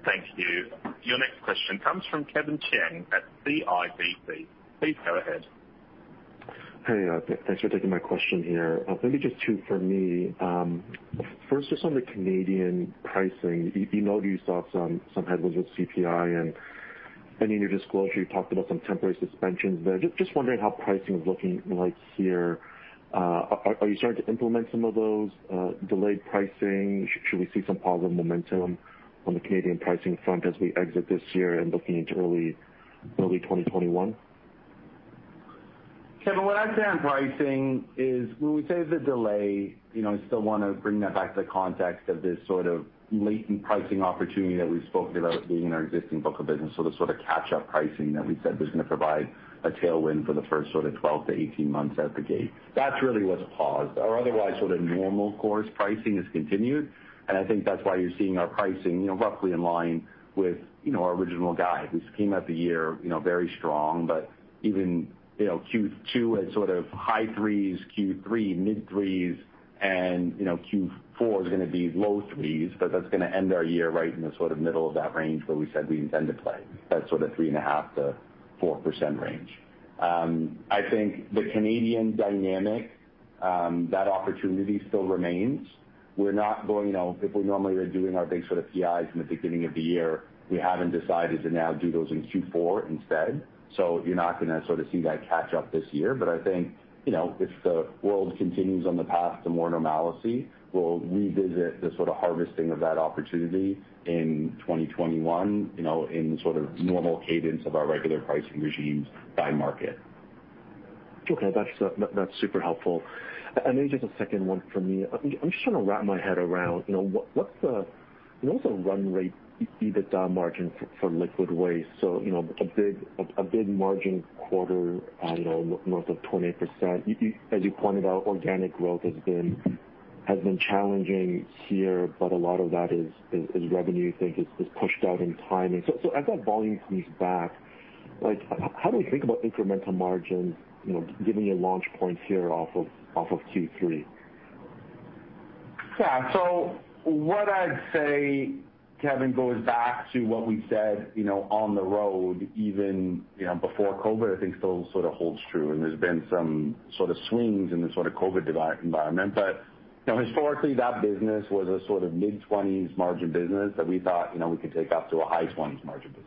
Thank you. Your next question comes from Kevin Chiang at CIBC. Please go ahead. Hey, thanks for taking my question here. Maybe just two for me. First, just on the Canadian pricing. You know you saw some headlines with CPI, and in your disclosure, you talked about some temporary suspensions there. Just wondering how pricing is looking like here. Are you starting to implement some of those delayed pricing? Should we see some positive momentum on the Canadian pricing front as we exit this year and looking into early 2021? Kevin, what I'd say on pricing is when we say there's a delay, I still want to bring that back to the context of this sort of latent pricing opportunity that we spoke about being in our existing book of business. The sort of catch-up pricing that we said was going to provide a tailwind for the first sort of 12 to 18 months out the gate. That's really what's paused. Our otherwise sort of normal course pricing has continued, and I think that's why you're seeing our pricing roughly in line with our original guide, which came at the year very strong. Even Q2 had sort of high threes, Q3 mid threes, and Q4 is going to be low threes, but that's going to end our year right in the sort of middle of that range where we said we intend to play. That sort of 3.5%-4% range. I think the Canadian dynamic, that opportunity still remains. We're not going out if we normally are doing our big sort of PIs in the beginning of the year, we haven't decided to now do those in Q4 instead. You're not going to sort of see that catch up this year. I think, if the world continues on the path to more normalcy, we'll revisit the sort of harvesting of that opportunity in 2021, in sort of normal cadence of our regular pricing regimes by market. Okay. That's super helpful. Maybe just a second one for me. I'm just trying to wrap my head around what's a run rate EBITDA margin for liquid waste? A big margin quarter north of 20%. As you pointed out, organic growth has been challenging here, but a lot of that is revenue you think is pushed out in timing. As that volume comes back, how do we think about incremental margins, giving a launch point here off of Q3? Yeah. What I'd say, Kevin, goes back to what we said on the road, even before COVID-19, I think still sort of holds true. There's been some sort of swings in the sort of COVID-19 environment. Historically, that business was a sort of mid-20s margin business that we thought we could take up to a high 20s margin business.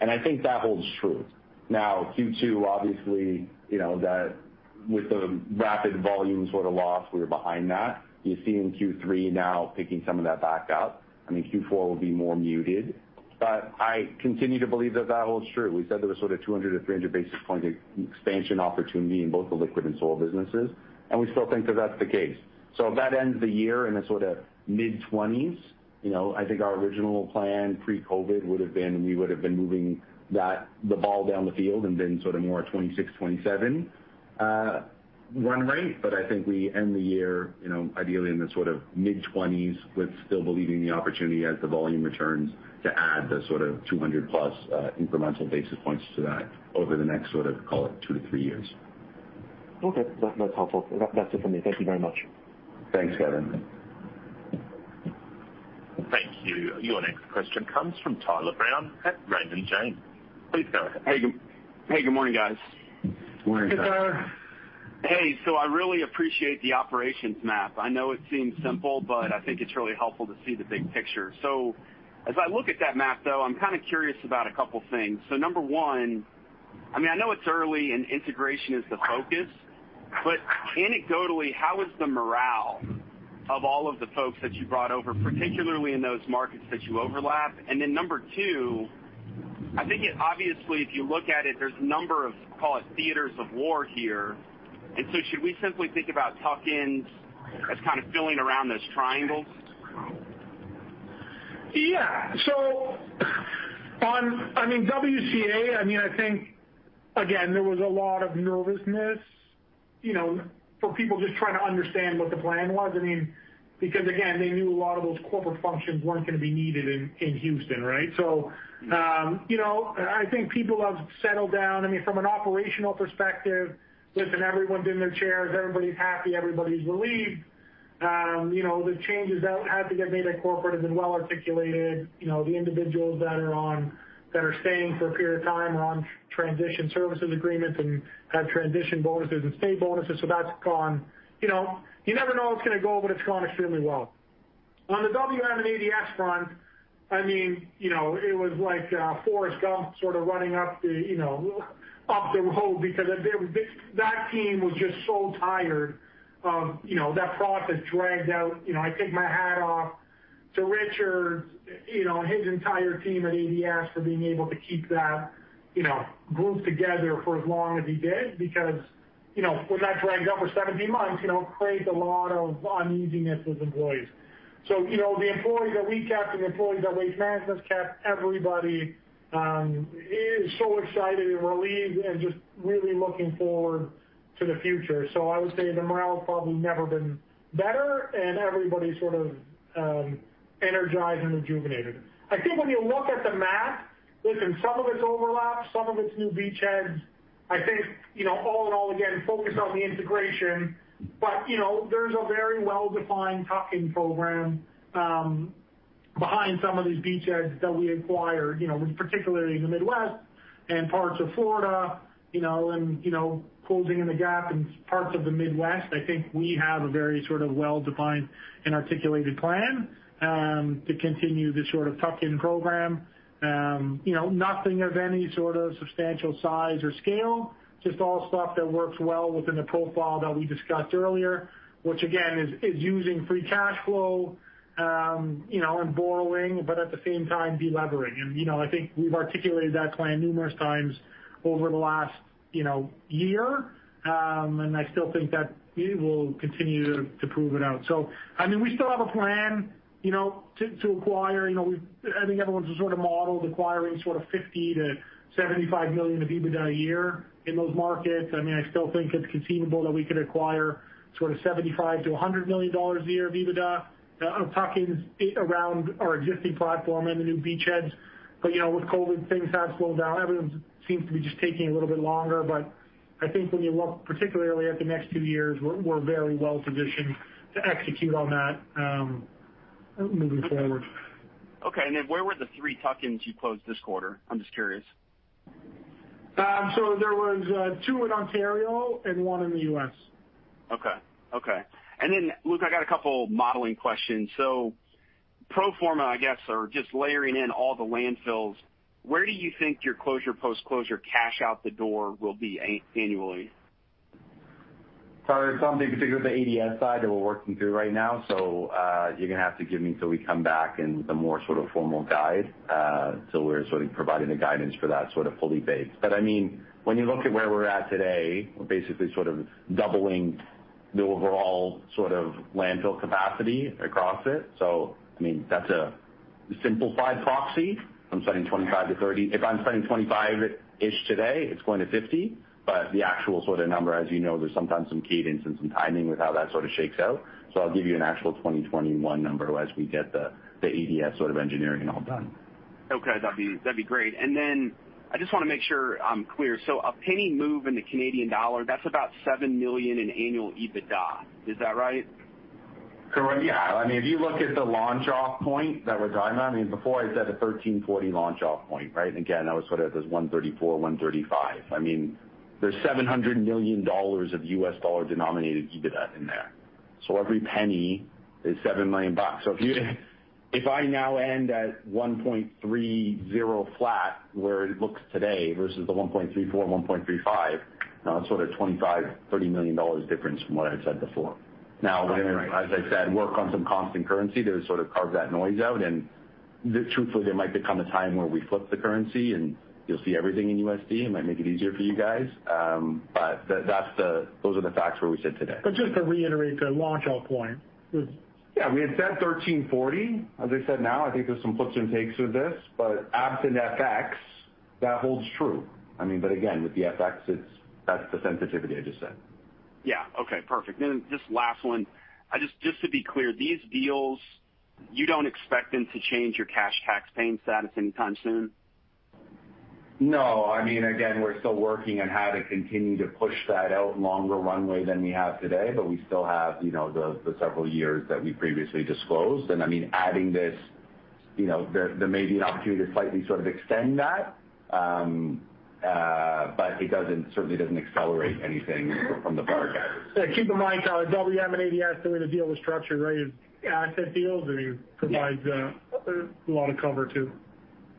I think that holds true. Now, Q2, obviously, with the rapid volume sort of loss, we were behind that. You're seeing Q3 now picking some of that back up. I think Q4 will be more muted, I continue to believe that that holds true. We said there was sort of 200 to 300 basis point expansion opportunity in both the liquid and soil businesses, we still think that that's the case. If that ends the year in the sort of mid-20s, I think our original plan pre-COVID would've been we would've been moving the ball down the field and been sort of more at 26, 27 run rate. I think we end the year ideally in the sort of mid-20s with still believing the opportunity as the volume returns to add the sort of 200-plus incremental basis points to that over the next sort of, call it two to three years. Okay. That's helpful. That's it for me. Thank you very much. Thanks, Kevin. Thank you. Your next question comes from Tyler Brown at Raymond James. Please go ahead. Hey. Good morning, guys. Good morning, Tyler. Hey. I really appreciate the operations map. I know it seems simple, but I think it's really helpful to see the big picture. As I look at that map, though, I'm kind of curious about a couple things. Number one, I know it's early and integration is the focus, but anecdotally, how is the morale of all of the folks that you brought over, particularly in those markets that you overlap? Number two, I think obviously, if you look at it, there's a number of, call it theaters of war here, should we simply think about tuck-ins as kind of filling around those triangles? Yeah. On WCA, I think, again, there was a lot of nervousness for people just trying to understand what the plan was, because again, they knew a lot of those corporate functions weren't going to be needed in Houston, right? I think people have settled down. From an operational perspective, listen, everyone's in their chairs, everybody's happy, everybody's relieved. The changes that had to get made at corporate have been well-articulated. The individuals that are staying for a period of time are on transition services agreements and have transition bonuses and stay bonuses. You never know how it's going to go, but it's gone extremely well. On the WM and ADS front, it was like Forrest Gump sort of running up the road because that team was just so tired. That process dragged out. I take my hat off to Richard, his entire team at ADS for being able to keep that group together for as long as he did because when that drags out for 17 months, it creates a lot of uneasiness with employees. The employees that we kept and the employees that Waste Management's kept, everybody is so excited and relieved and just really looking forward to the future. I would say the morale's probably never been better and everybody's sort of energized and rejuvenated. I think when you look at the map, listen, some of it's overlap, some of it's new beachheads. I think all in all, again, focus on the integration. There's a very well-defined tuck-in program behind some of these beachheads that we acquired, particularly in the Midwest and parts of Florida, and closing in the gap in parts of the Midwest. I think we have a very well-defined and articulated plan to continue this sort of tuck-in program. Nothing of any sort of substantial size or scale, just all stuff that works well within the profile that we discussed earlier, which again, is using free cash flow and borrowing, but at the same time, de-levering. I think we've articulated that plan numerous times over the last year, and I still think that we will continue to prove it out. We still have a plan to acquire I think everyone's sort of modeled acquiring 50 million-75 million of EBITDA a year in those markets. I still think it's conceivable that we could acquire sort of 75 million-100 million dollars a year of EBITDA of tuck-ins around our existing platform and the new beachheads. With COVID, things have slowed down. Everything seems to be just taking a little bit longer. I think when you look particularly at the next two years, we're very well-positioned to execute on that moving forward. Okay. Where were the three tuck-ins you closed this quarter? I'm just curious. There was two in Ontario and one in the U.S. Okay. Luke, I got a couple modeling questions. Pro forma, I guess, or just layering in all the landfills, where do you think your closure, post-closure cash out the door will be annually? Tyler, it's something particular to the ADS side that we're working through right now. You're going to have to give me till we come back and with a more sort of formal guide, till we're providing the guidance for that sort of fully baked. When you look at where we're at today, we're basically sort of doubling the overall landfill capacity across it. That's a simplified proxy from spending 25-30. If I'm spending 25-ish today, it's going to 50. The actual number, as you know, there's sometimes some cadence and some timing with how that sort of shakes out. I'll give you an actual 2021 number as we get the ADS sort of engineering all done. Okay. That'd be great. I just want to make sure I'm clear. A penny move in the Canadian dollar, that's about 7 million in annual EBITDA. Is that right? Correct, yeah. If you look at the launch-off point that we're talking about, before I said a 13 40 launch-off point, right? Again, that was sort of at this 1.34, 1.35. There's $700 million of U.S. dollar-denominated EBITDA in there. Every penny is $7 million. If I now end at 1.30 flat where it looks today versus the 1.34, 1.35, now that's sort of $25 million-$30 million difference from what I had said before. Right. As I said, work on some constant currency to sort of carve that noise out. Truthfully, there might become a time where we flip the currency and you'll see everything in USD. It might make it easier for you guys. Those are the facts where we sit today. Just to reiterate the launch off point. Yeah. We had said 13 40. As I said, now I think there's some flips and takes with this, but absent FX, that holds true. Again, with the FX, that's the sensitivity I just said. Yeah. Okay, perfect. Then just last one. Just to be clear, these deals, you don't expect them to change your cash tax paying status anytime soon? No. Again, we're still working on how to continue to push that out longer runway than we have today, but we still have the several years that we previously disclosed. Adding this, there may be an opportunity to slightly sort of extend that. It certainly doesn't accelerate anything from the prior guidance. Yeah. Keep in mind, Tyler, WM and ADS, the way the deal was structured, right, is asset deals and provides a lot of cover, too.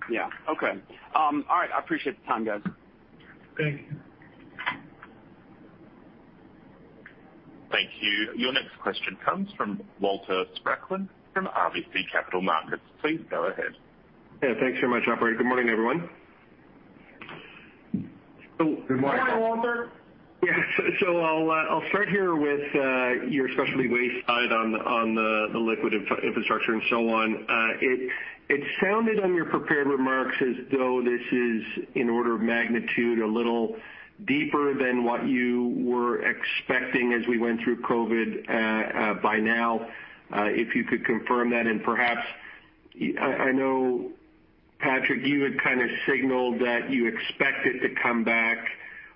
Yeah. Okay. All right. I appreciate the time, guys. Thank you. Thank you. Your next question comes from Walter Spracklin from RBC Capital Markets. Please go ahead. Yeah. Thanks very much, operator. Good morning, everyone. Good morning. Good morning, Walter. Yeah. I'll start here with your specialty waste side on the liquid infrastructure and so on. It sounded on your prepared remarks as though this is, in order of magnitude, a little deeper than what you were expecting as we went through COVID by now. If you could confirm that and perhaps, I know, Patrick, you had kind of signaled that you expect it to come back.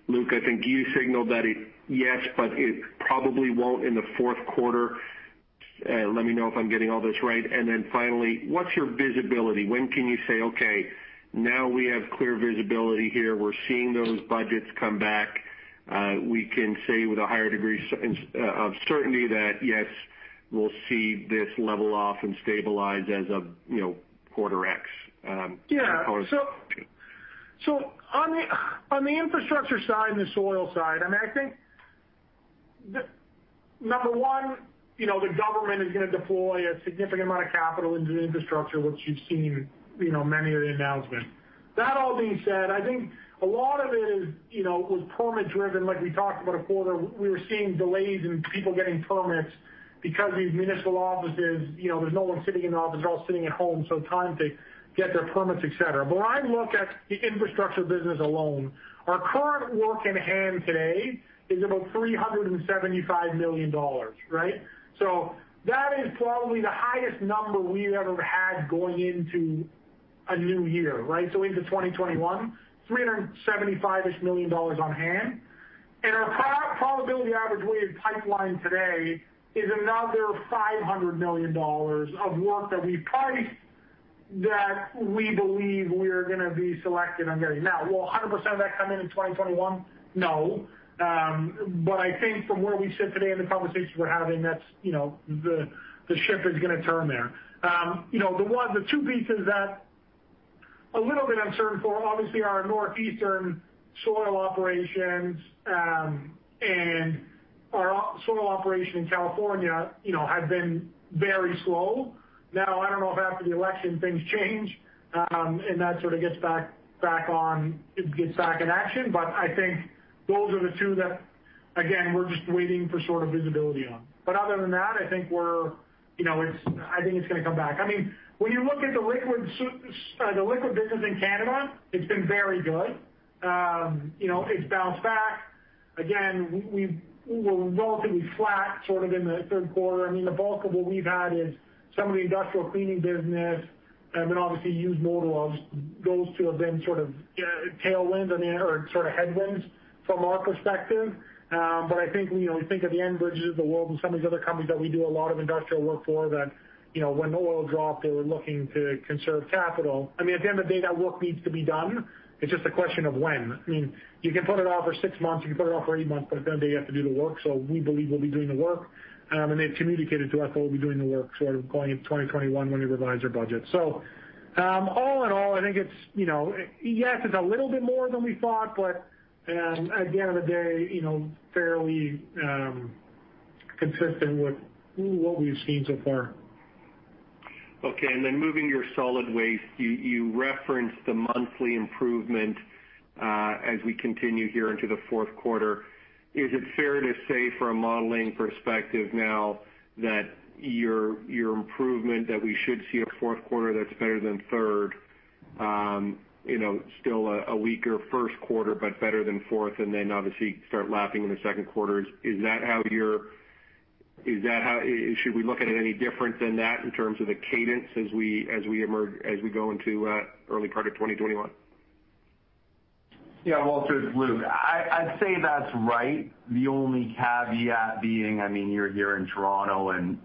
Luke, I think you signaled that yes, but it probably won't in the fourth quarter. Let me know if I'm getting all this right. Finally, what's your visibility? When can you say, "Okay, now we have clear visibility here. We're seeing those budgets come back. We can say with a higher degree of certainty that, yes, we'll see this level off and stabilize as of quarter X. Yeah. On the infrastructure side and the soil side, I think, number one, the government is going to deploy a significant amount of capital into the infrastructure, which you've seen many of the announcements. That all being said, I think a lot of it was permit-driven. Like we talked about a quarter, we were seeing delays in people getting permits because these municipal offices, there's no one sitting in the office. They're all sitting at home, time to get their permits, et cetera. When I look at the infrastructure business alone, our current work in hand today is about 375 million dollars. Right? That is probably the highest number we've ever had going into a new year, right? Into 2021, 375-ish million dollars on hand. Our probability average we have pipelined today is another 500 million dollars of work that we've priced that we believe we are going to be selected on getting. Now, will 100% of that come in in 2021? No. I think from where we sit today and the conversations we're having, the ship is going to turn there. The two pieces that a little bit uncertain for, obviously, our northeastern soil remediation operations and our soil remediation operation in California have been very slow. Now, I don't know if after the election things change, and that sort of gets back in action. I think those are the two that, again, we're just waiting for sort of visibility on. Other than that, I think it's going to come back. When you look at the liquid waste management business in Canada, it's been very good. It's bounced back. We're relatively flat sort of in the third quarter. The bulk of what we've had is some of the industrial cleaning business and then obviously used motor oils. Those two have been sort of headwinds from our perspective. I think when you think of the Enbridges of the world and some of these other companies that we do a lot of industrial work for that when the oil dropped, they were looking to conserve capital. At the end of the day, that work needs to be done. It's just a question of when. You can put it off for six months, you can put it off for eight months, but at the end of the day, you have to do the work. We believe we'll be doing the work. They've communicated to us they'll be doing the work sort of going into 2021 when they revise their budget. All in all, I think it's, yes, it's a little bit more than we thought, but at the end of the day, fairly consistent with what we've seen so far. Okay. Moving to your solid waste, you referenced the monthly improvement as we continue here into the fourth quarter. Is it fair to say from a modeling perspective now that your improvement that we should see a fourth quarter that's better than third? Still a weaker first quarter, but better than fourth. Obviously start lapping in the second quarter. Should we look at it any different than that in terms of the cadence as we go into early part of 2021? Yeah. Walter, it's Luke. I'd say that's right. The only caveat being, you're here in Toronto, and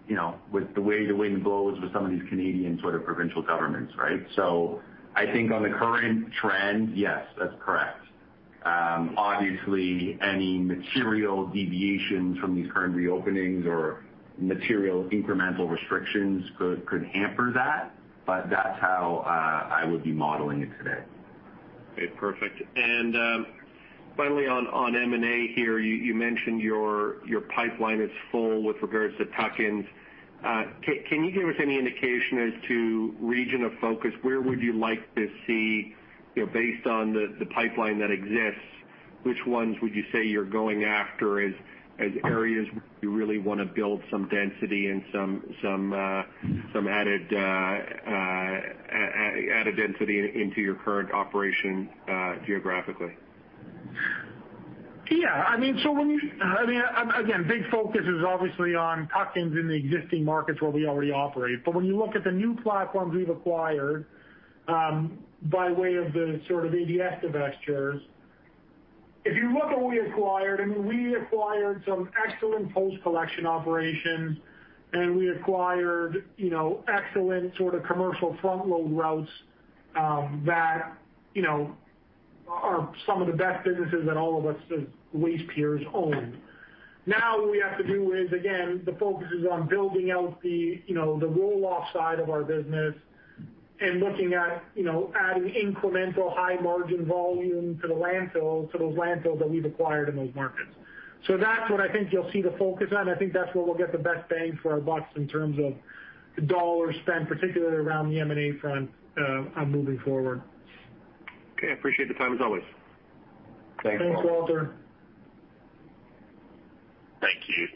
with the way the wind blows with some of these Canadian sort of provincial governments, right? I think on the current trend, yes, that's correct. Obviously, any material deviations from these current reopenings or material incremental restrictions could hamper that, but that's how I would be modeling it today. Okay, perfect. Finally, on M&A here, you mentioned your pipeline is full with regards to tuck-ins. Can you give us any indication as to region of focus? Where would you like to see, based on the pipeline that exists, which ones would you say you're going after as areas where you really want to build some density and some added density into your current operation geographically? Yeah. Again, big focus is obviously on tuck-ins in the existing markets where we already operate. When you look at the new platforms we've acquired, by way of the sort of ADS divestitures. If you look at what we acquired, we acquired some excellent post-collection operations, and we acquired excellent sort of commercial front-load routes, that are some of the best businesses that all of us as waste peers own. What we have to do is, again, the focus is on building out the roll-off side of our business and looking at adding incremental high-margin volume to those landfills that we've acquired in those markets. That's what I think you'll see the focus on. I think that's where we'll get the best bang for our bucks in terms of the dollars spent, particularly around the M&A front moving forward. Okay. Appreciate the time, as always. Thanks, Walter. Thanks, Walter. Thank you.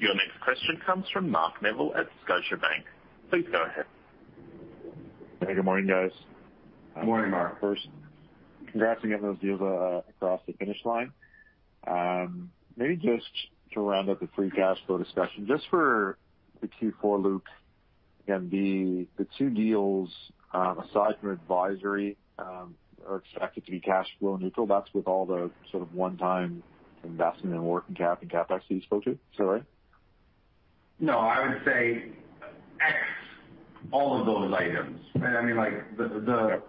Your next question comes from Mark Neville at Scotiabank. Please go ahead. Hey, good morning, guys. Morning, Mark. First, congrats on getting those deals across the finish line. Maybe just to round out the free cash flow discussion, just for the Q4, Luke, and the two deals, aside from advisory, are expected to be cash flow neutral. That's with all the sort of one-time investment in working capital and CapEx that you spoke to. Is that right? No, I would say X all of those items. The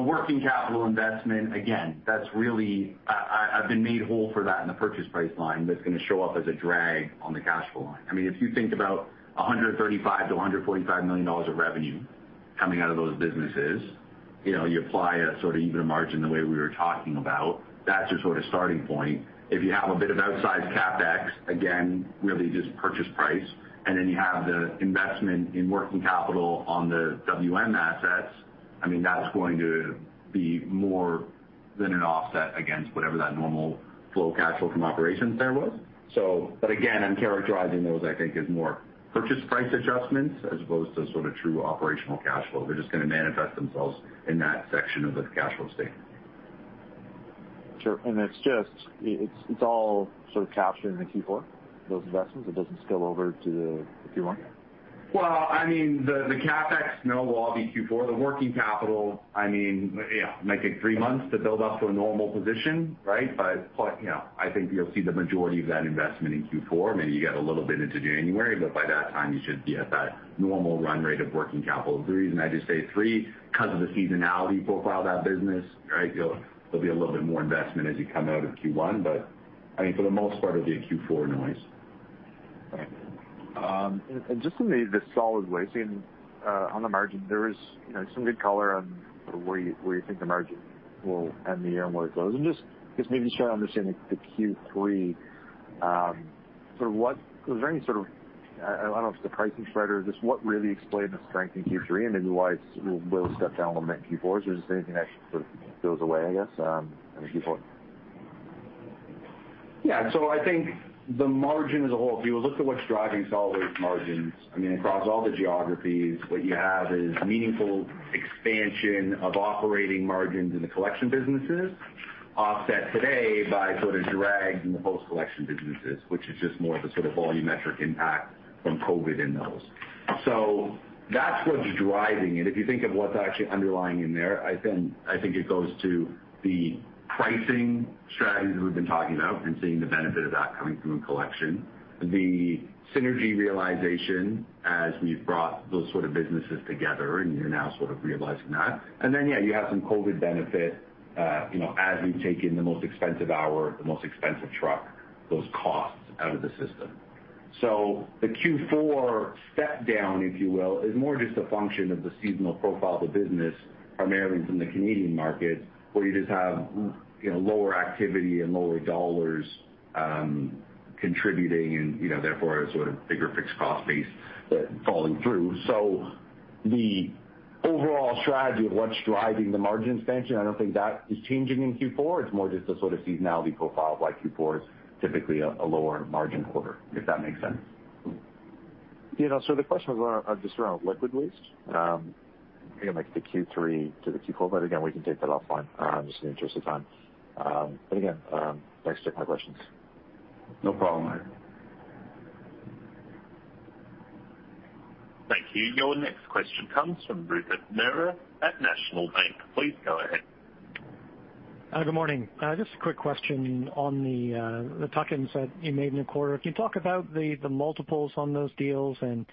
working capital investment, again, I've been made whole for that in the purchase price line. That's going to show up as a drag on the cash flow line. If you think about 135 million-145 million dollars of revenue coming out of those businesses, you apply a sort of EBITDA margin the way we were talking about, that's your sort of starting point. If you have a bit of outsized CapEx, again, really just purchase price, and then you have the investment in working capital on the WM assets, that's going to be more than an offset against whatever that normal flow of cash flow from operations there was. Again, I'm characterizing those, I think, as more purchase price adjustments as opposed to sort of true operational cash flow. They're just going to manifest themselves in that section of the cash flow statement. Sure. It's all sort of captured in the Q4, those investments? It doesn't spill over to the Q1? The CapEx, no, will all be Q4. The working capital might take three months to build up to a normal position, right? I think you'll see the majority of that investment in Q4. Maybe you get a little bit into January, but by that time you should be at that normal run rate of working capital. The reason I just say three, because of the seasonality profile of that business, right? There'll be a little bit more investment as you come out of Q1, but for the most part, it'll be a Q4 noise. Right. Just on the Solid Waste, on the margin there is some good color on where you think the margin will end the year and where it goes, just maybe to try to understand the Q3. I don't know if it's the pricing spread or just what really explained the strength in Q3 and maybe why it will step down a little bit in Q4? Is there anything that sort of goes away, I guess, in Q4? I think the margin as a whole, if you look at what's driving Solid Waste margins, across all the geographies, what you have is meaningful expansion of operating margins in the collection businesses, offset today by sort of drags in the post-collection businesses, which is just more of a sort of volumetric impact from COVID in those. That's what's driving it. If you think of what's actually underlying in there, I think it goes to the pricing strategies we've been talking about and seeing the benefit of that coming through in collection. The synergy realization as we've brought those sort of businesses together, and you're now sort of realizing that. You have some COVID benefit as we've taken the most expensive hour, the most expensive truck, those costs out of the system. The Q4 step down, if you will, is more just a function of the seasonal profile of the business, primarily from the Canadian market, where you just have lower activity and lower dollars contributing and therefore a sort of bigger fixed cost base falling through. The overall strategy of what's driving the margin expansion, I don't think that is changing in Q4. It's more just the sort of seasonality profile of why Q4 is typically a lower margin quarter, if that makes sense. Yeah. The questions are just around liquid waste, like the Q3 to the Q4, but again, we can take that offline just in the interest of time. Again, thanks for taking my questions. No problem, Mark. Thank you. Your next question comes from Rupert Merer at National Bank. Please go ahead. Good morning. Just a quick question on the tuck-ins that you made in the quarter. Can you talk about the multiples on those deals and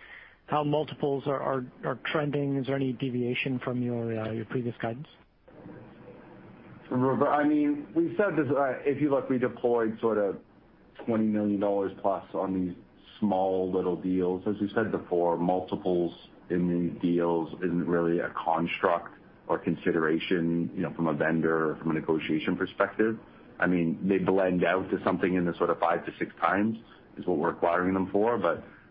how multiples are trending? Is there any deviation from your previous guidance? Rupert, we've said this, if you look, we deployed sort of 20 million dollars plus on these small little deals. As we said before, multiples in these deals isn't really a construct or consideration from a vendor or from a negotiation perspective. They blend out to something in the sort of five to six times is what we're acquiring them for.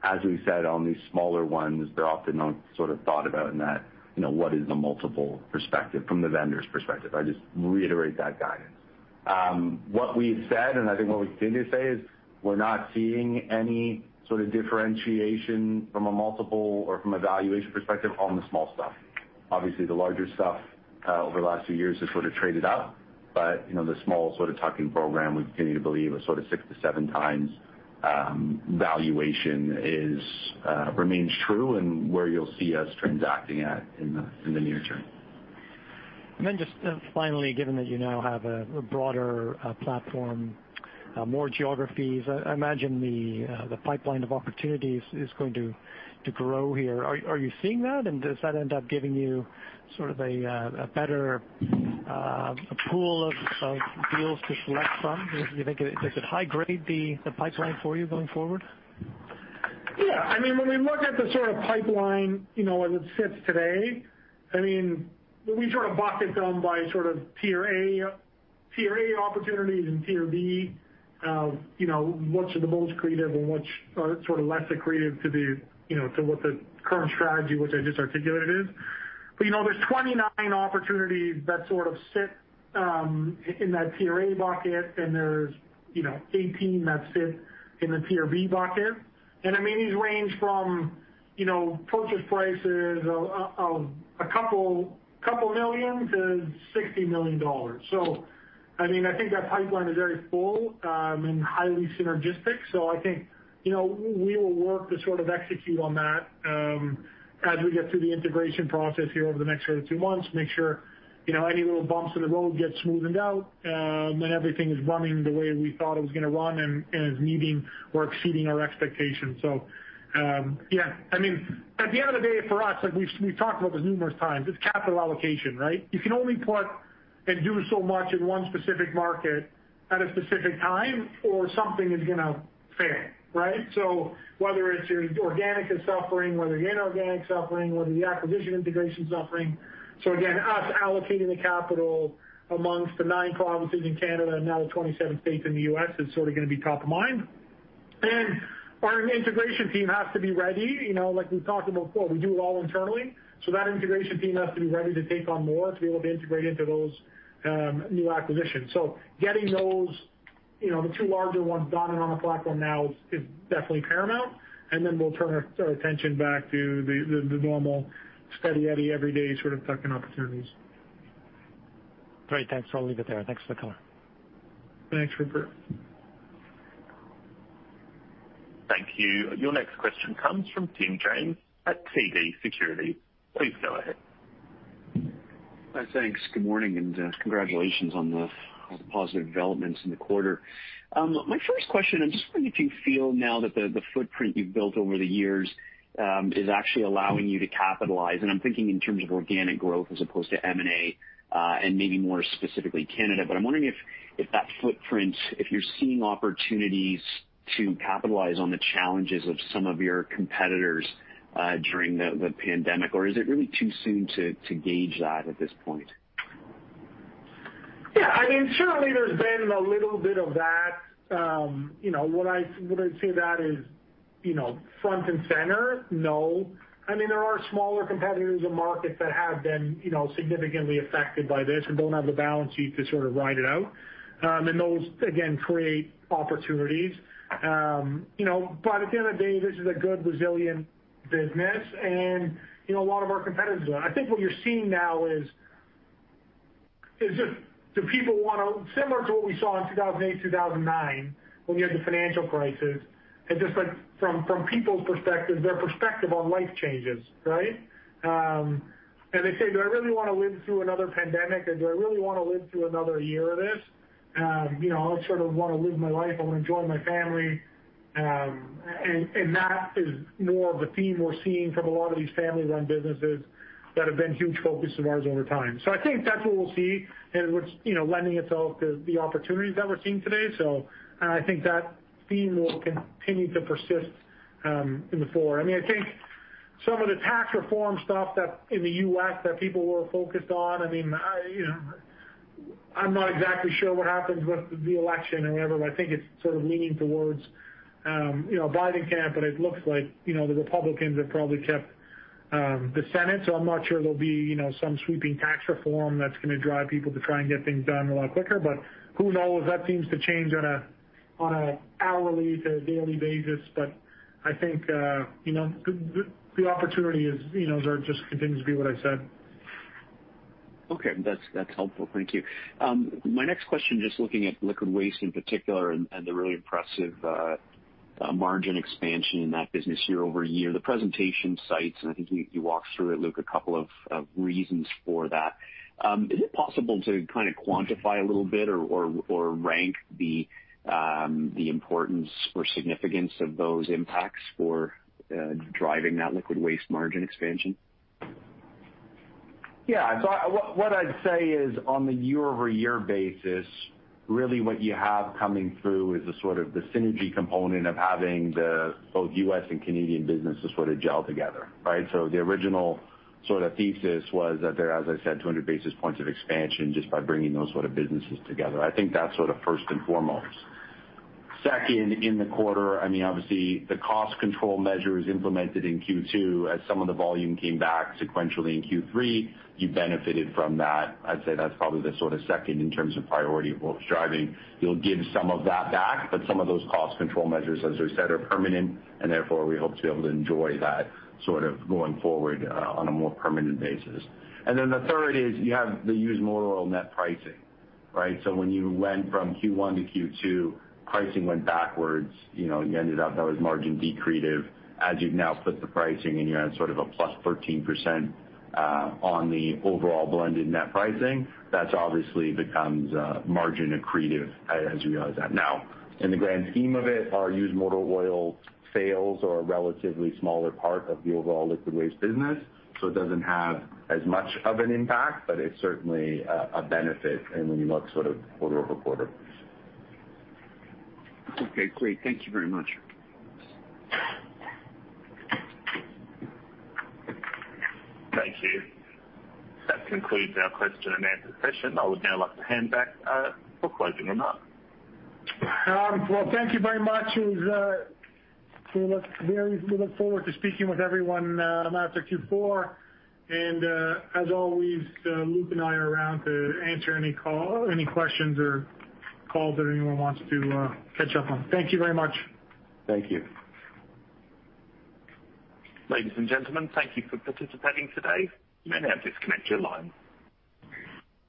As we said, on these smaller ones, they're often not thought about in that, what is the multiple perspective from the vendor's perspective? I just reiterate that guidance. What we've said, and I think what we continue to say is we're not seeing any sort of differentiation from a multiple or from a valuation perspective on the small stuff. Obviously, the larger stuff, over the last few years has sort of traded up. The small tuck-in program, we continue to believe a six to seven times valuation remains true and where you'll see us transacting at in the near term. Just finally, given that you now have a broader platform, more geographies, I imagine the pipeline of opportunities is going to grow here. Are you seeing that? Does that end up giving you sort of a better pool of deals to select from? Do you think it could high grade the pipeline for you going forward? Yeah, when we look at the sort of pipeline, as it sits today, we sort of bucket them by sort of tier A opportunities and tier B of what's the most accretive and what's sort of less accretive to what the current strategy, which I just articulated is. There's 29 opportunities that sort of sit in that tier A bucket and there's 18 that sit in the tier B bucket. These range from purchase prices of a couple million to $60 million. I think that pipeline is very full, and highly synergistic. I think we will work to sort of execute on that as we get through the integration process here over the next two months, make sure any little bumps in the road get smoothened out, and everything is running the way we thought it was going to run and is meeting or exceeding our expectations. Yeah. At the end of the day for us, like we've talked about this numerous times, it's capital allocation, right? You can only put and do so much in one specific market at a specific time, or something is going to fail, right? Whether it's your organic is suffering, whether inorganic's suffering, whether the acquisition integration's suffering. Again, us allocating the capital amongst the nine provinces in Canada and now the 27 states in the U.S. is sort of going to be top of mind. Our integration team has to be ready. Like we've talked about before, we do it all internally. That integration team has to be ready to take on more to be able to integrate into those new acquisitions. Getting those, the two larger ones done and on the platform now is definitely paramount, and then we'll turn our attention back to the normal steady Eddie everyday sort of tuck-in opportunities. Great. Thanks. I'll leave it there. Thanks for the color. Thanks, Rupert. Thank you. Your next question comes from Tim James at TD Securities. Please go ahead. Thanks. Good morning, and congratulations on the positive developments in the quarter. My first question, I'm just wondering if you feel now that the footprint you've built over the years, is actually allowing you to capitalize, and I'm thinking in terms of organic growth as opposed to M&A, and maybe more specifically Canada. I'm wondering if that footprint, if you're seeing opportunities to capitalize on the challenges of some of your competitors, during the pandemic, or is it really too soon to gauge that at this point? Yeah, certainly there's been a little bit of that. Would I say that is front and center? No. There are smaller competitors in markets that have been significantly affected by this and don't have the balance sheet to sort of ride it out. Those, again, create opportunities. At the end of the day, this is a good, resilient business, and a lot of our competitors are. I think what you're seeing now is just do people want to, similar to what we saw in 2008, 2009, when we had the financial crisis, and just from people's perspective, their perspective on life changes, right? They say, "Do I really want to live through another pandemic?" "Do I really want to live through another year of this?" I sort of want to live my life. I want to enjoy my family. That is more of a theme we're seeing from a lot of these family-run businesses that have been huge focuses of ours over time. I think that's what we'll see, and it's lending itself to the opportunities that we're seeing today. I think that theme will continue to persist in the forward. I think some of the tax reform stuff in the U.S. that people were focused on, I'm not exactly sure what happens with the election or whatever, but I think it's sort of leaning towards a Biden camp, and it looks like the Republicans have probably kept the Senate, so I'm not sure there'll be some sweeping tax reform that's going to drive people to try and get things done a lot quicker. Who knows? That seems to change on an hourly to daily basis. I think the opportunity just continues to be what I said. Okay. That's helpful. Thank you. My next question, just looking at liquid waste in particular and the really impressive margin expansion in that business year-over-year. The presentation cites, and I think you walked through it, Luke, a couple of reasons for that. Is it possible to kind of quantify a little bit or rank the importance or significance of those impacts for driving that liquid waste margin expansion? What I'd say is on the year-over-year basis, really what you have coming through is the synergy component of having both U.S. and Canadian businesses sort of gel together, right? The original thesis was that there, as I said, 200 basis points of expansion just by bringing those sort of businesses together. I think that's sort of first and foremost. Second, in the quarter, obviously the cost control measures implemented in Q2 as some of the volume came back sequentially in Q3, you benefited from that. I'd say that's probably the sort of second in terms of priority of what was driving. You'll give some of that back, but some of those cost control measures, as we said, are permanent, and therefore we hope to be able to enjoy that going forward on a more permanent basis. The third is you have the used motor oil net pricing, right? When you went from Q1 to Q2, pricing went backwards. You ended up, that was margin decremental. As you've now put the pricing in, you had sort of a plus 13% on the overall blended net pricing. That obviously becomes margin accretive as we go with that. In the grand scheme of it, our used motor oil sales are a relatively smaller part of the overall liquid waste business, so it doesn't have as much of an impact, but it's certainly a benefit when you look quarter-over-quarter. Okay, great. Thank you very much. Thank you. That concludes our question and answer session. I would now like to hand back for closing remarks. Well, thank you very much. We look forward to speaking with everyone after Q4. As always, Luke Pelosi and I are around to answer any questions or calls that anyone wants to catch up on. Thank you very much. Thank you. Ladies and gentlemen, thank you for participating today. You may now disconnect your line.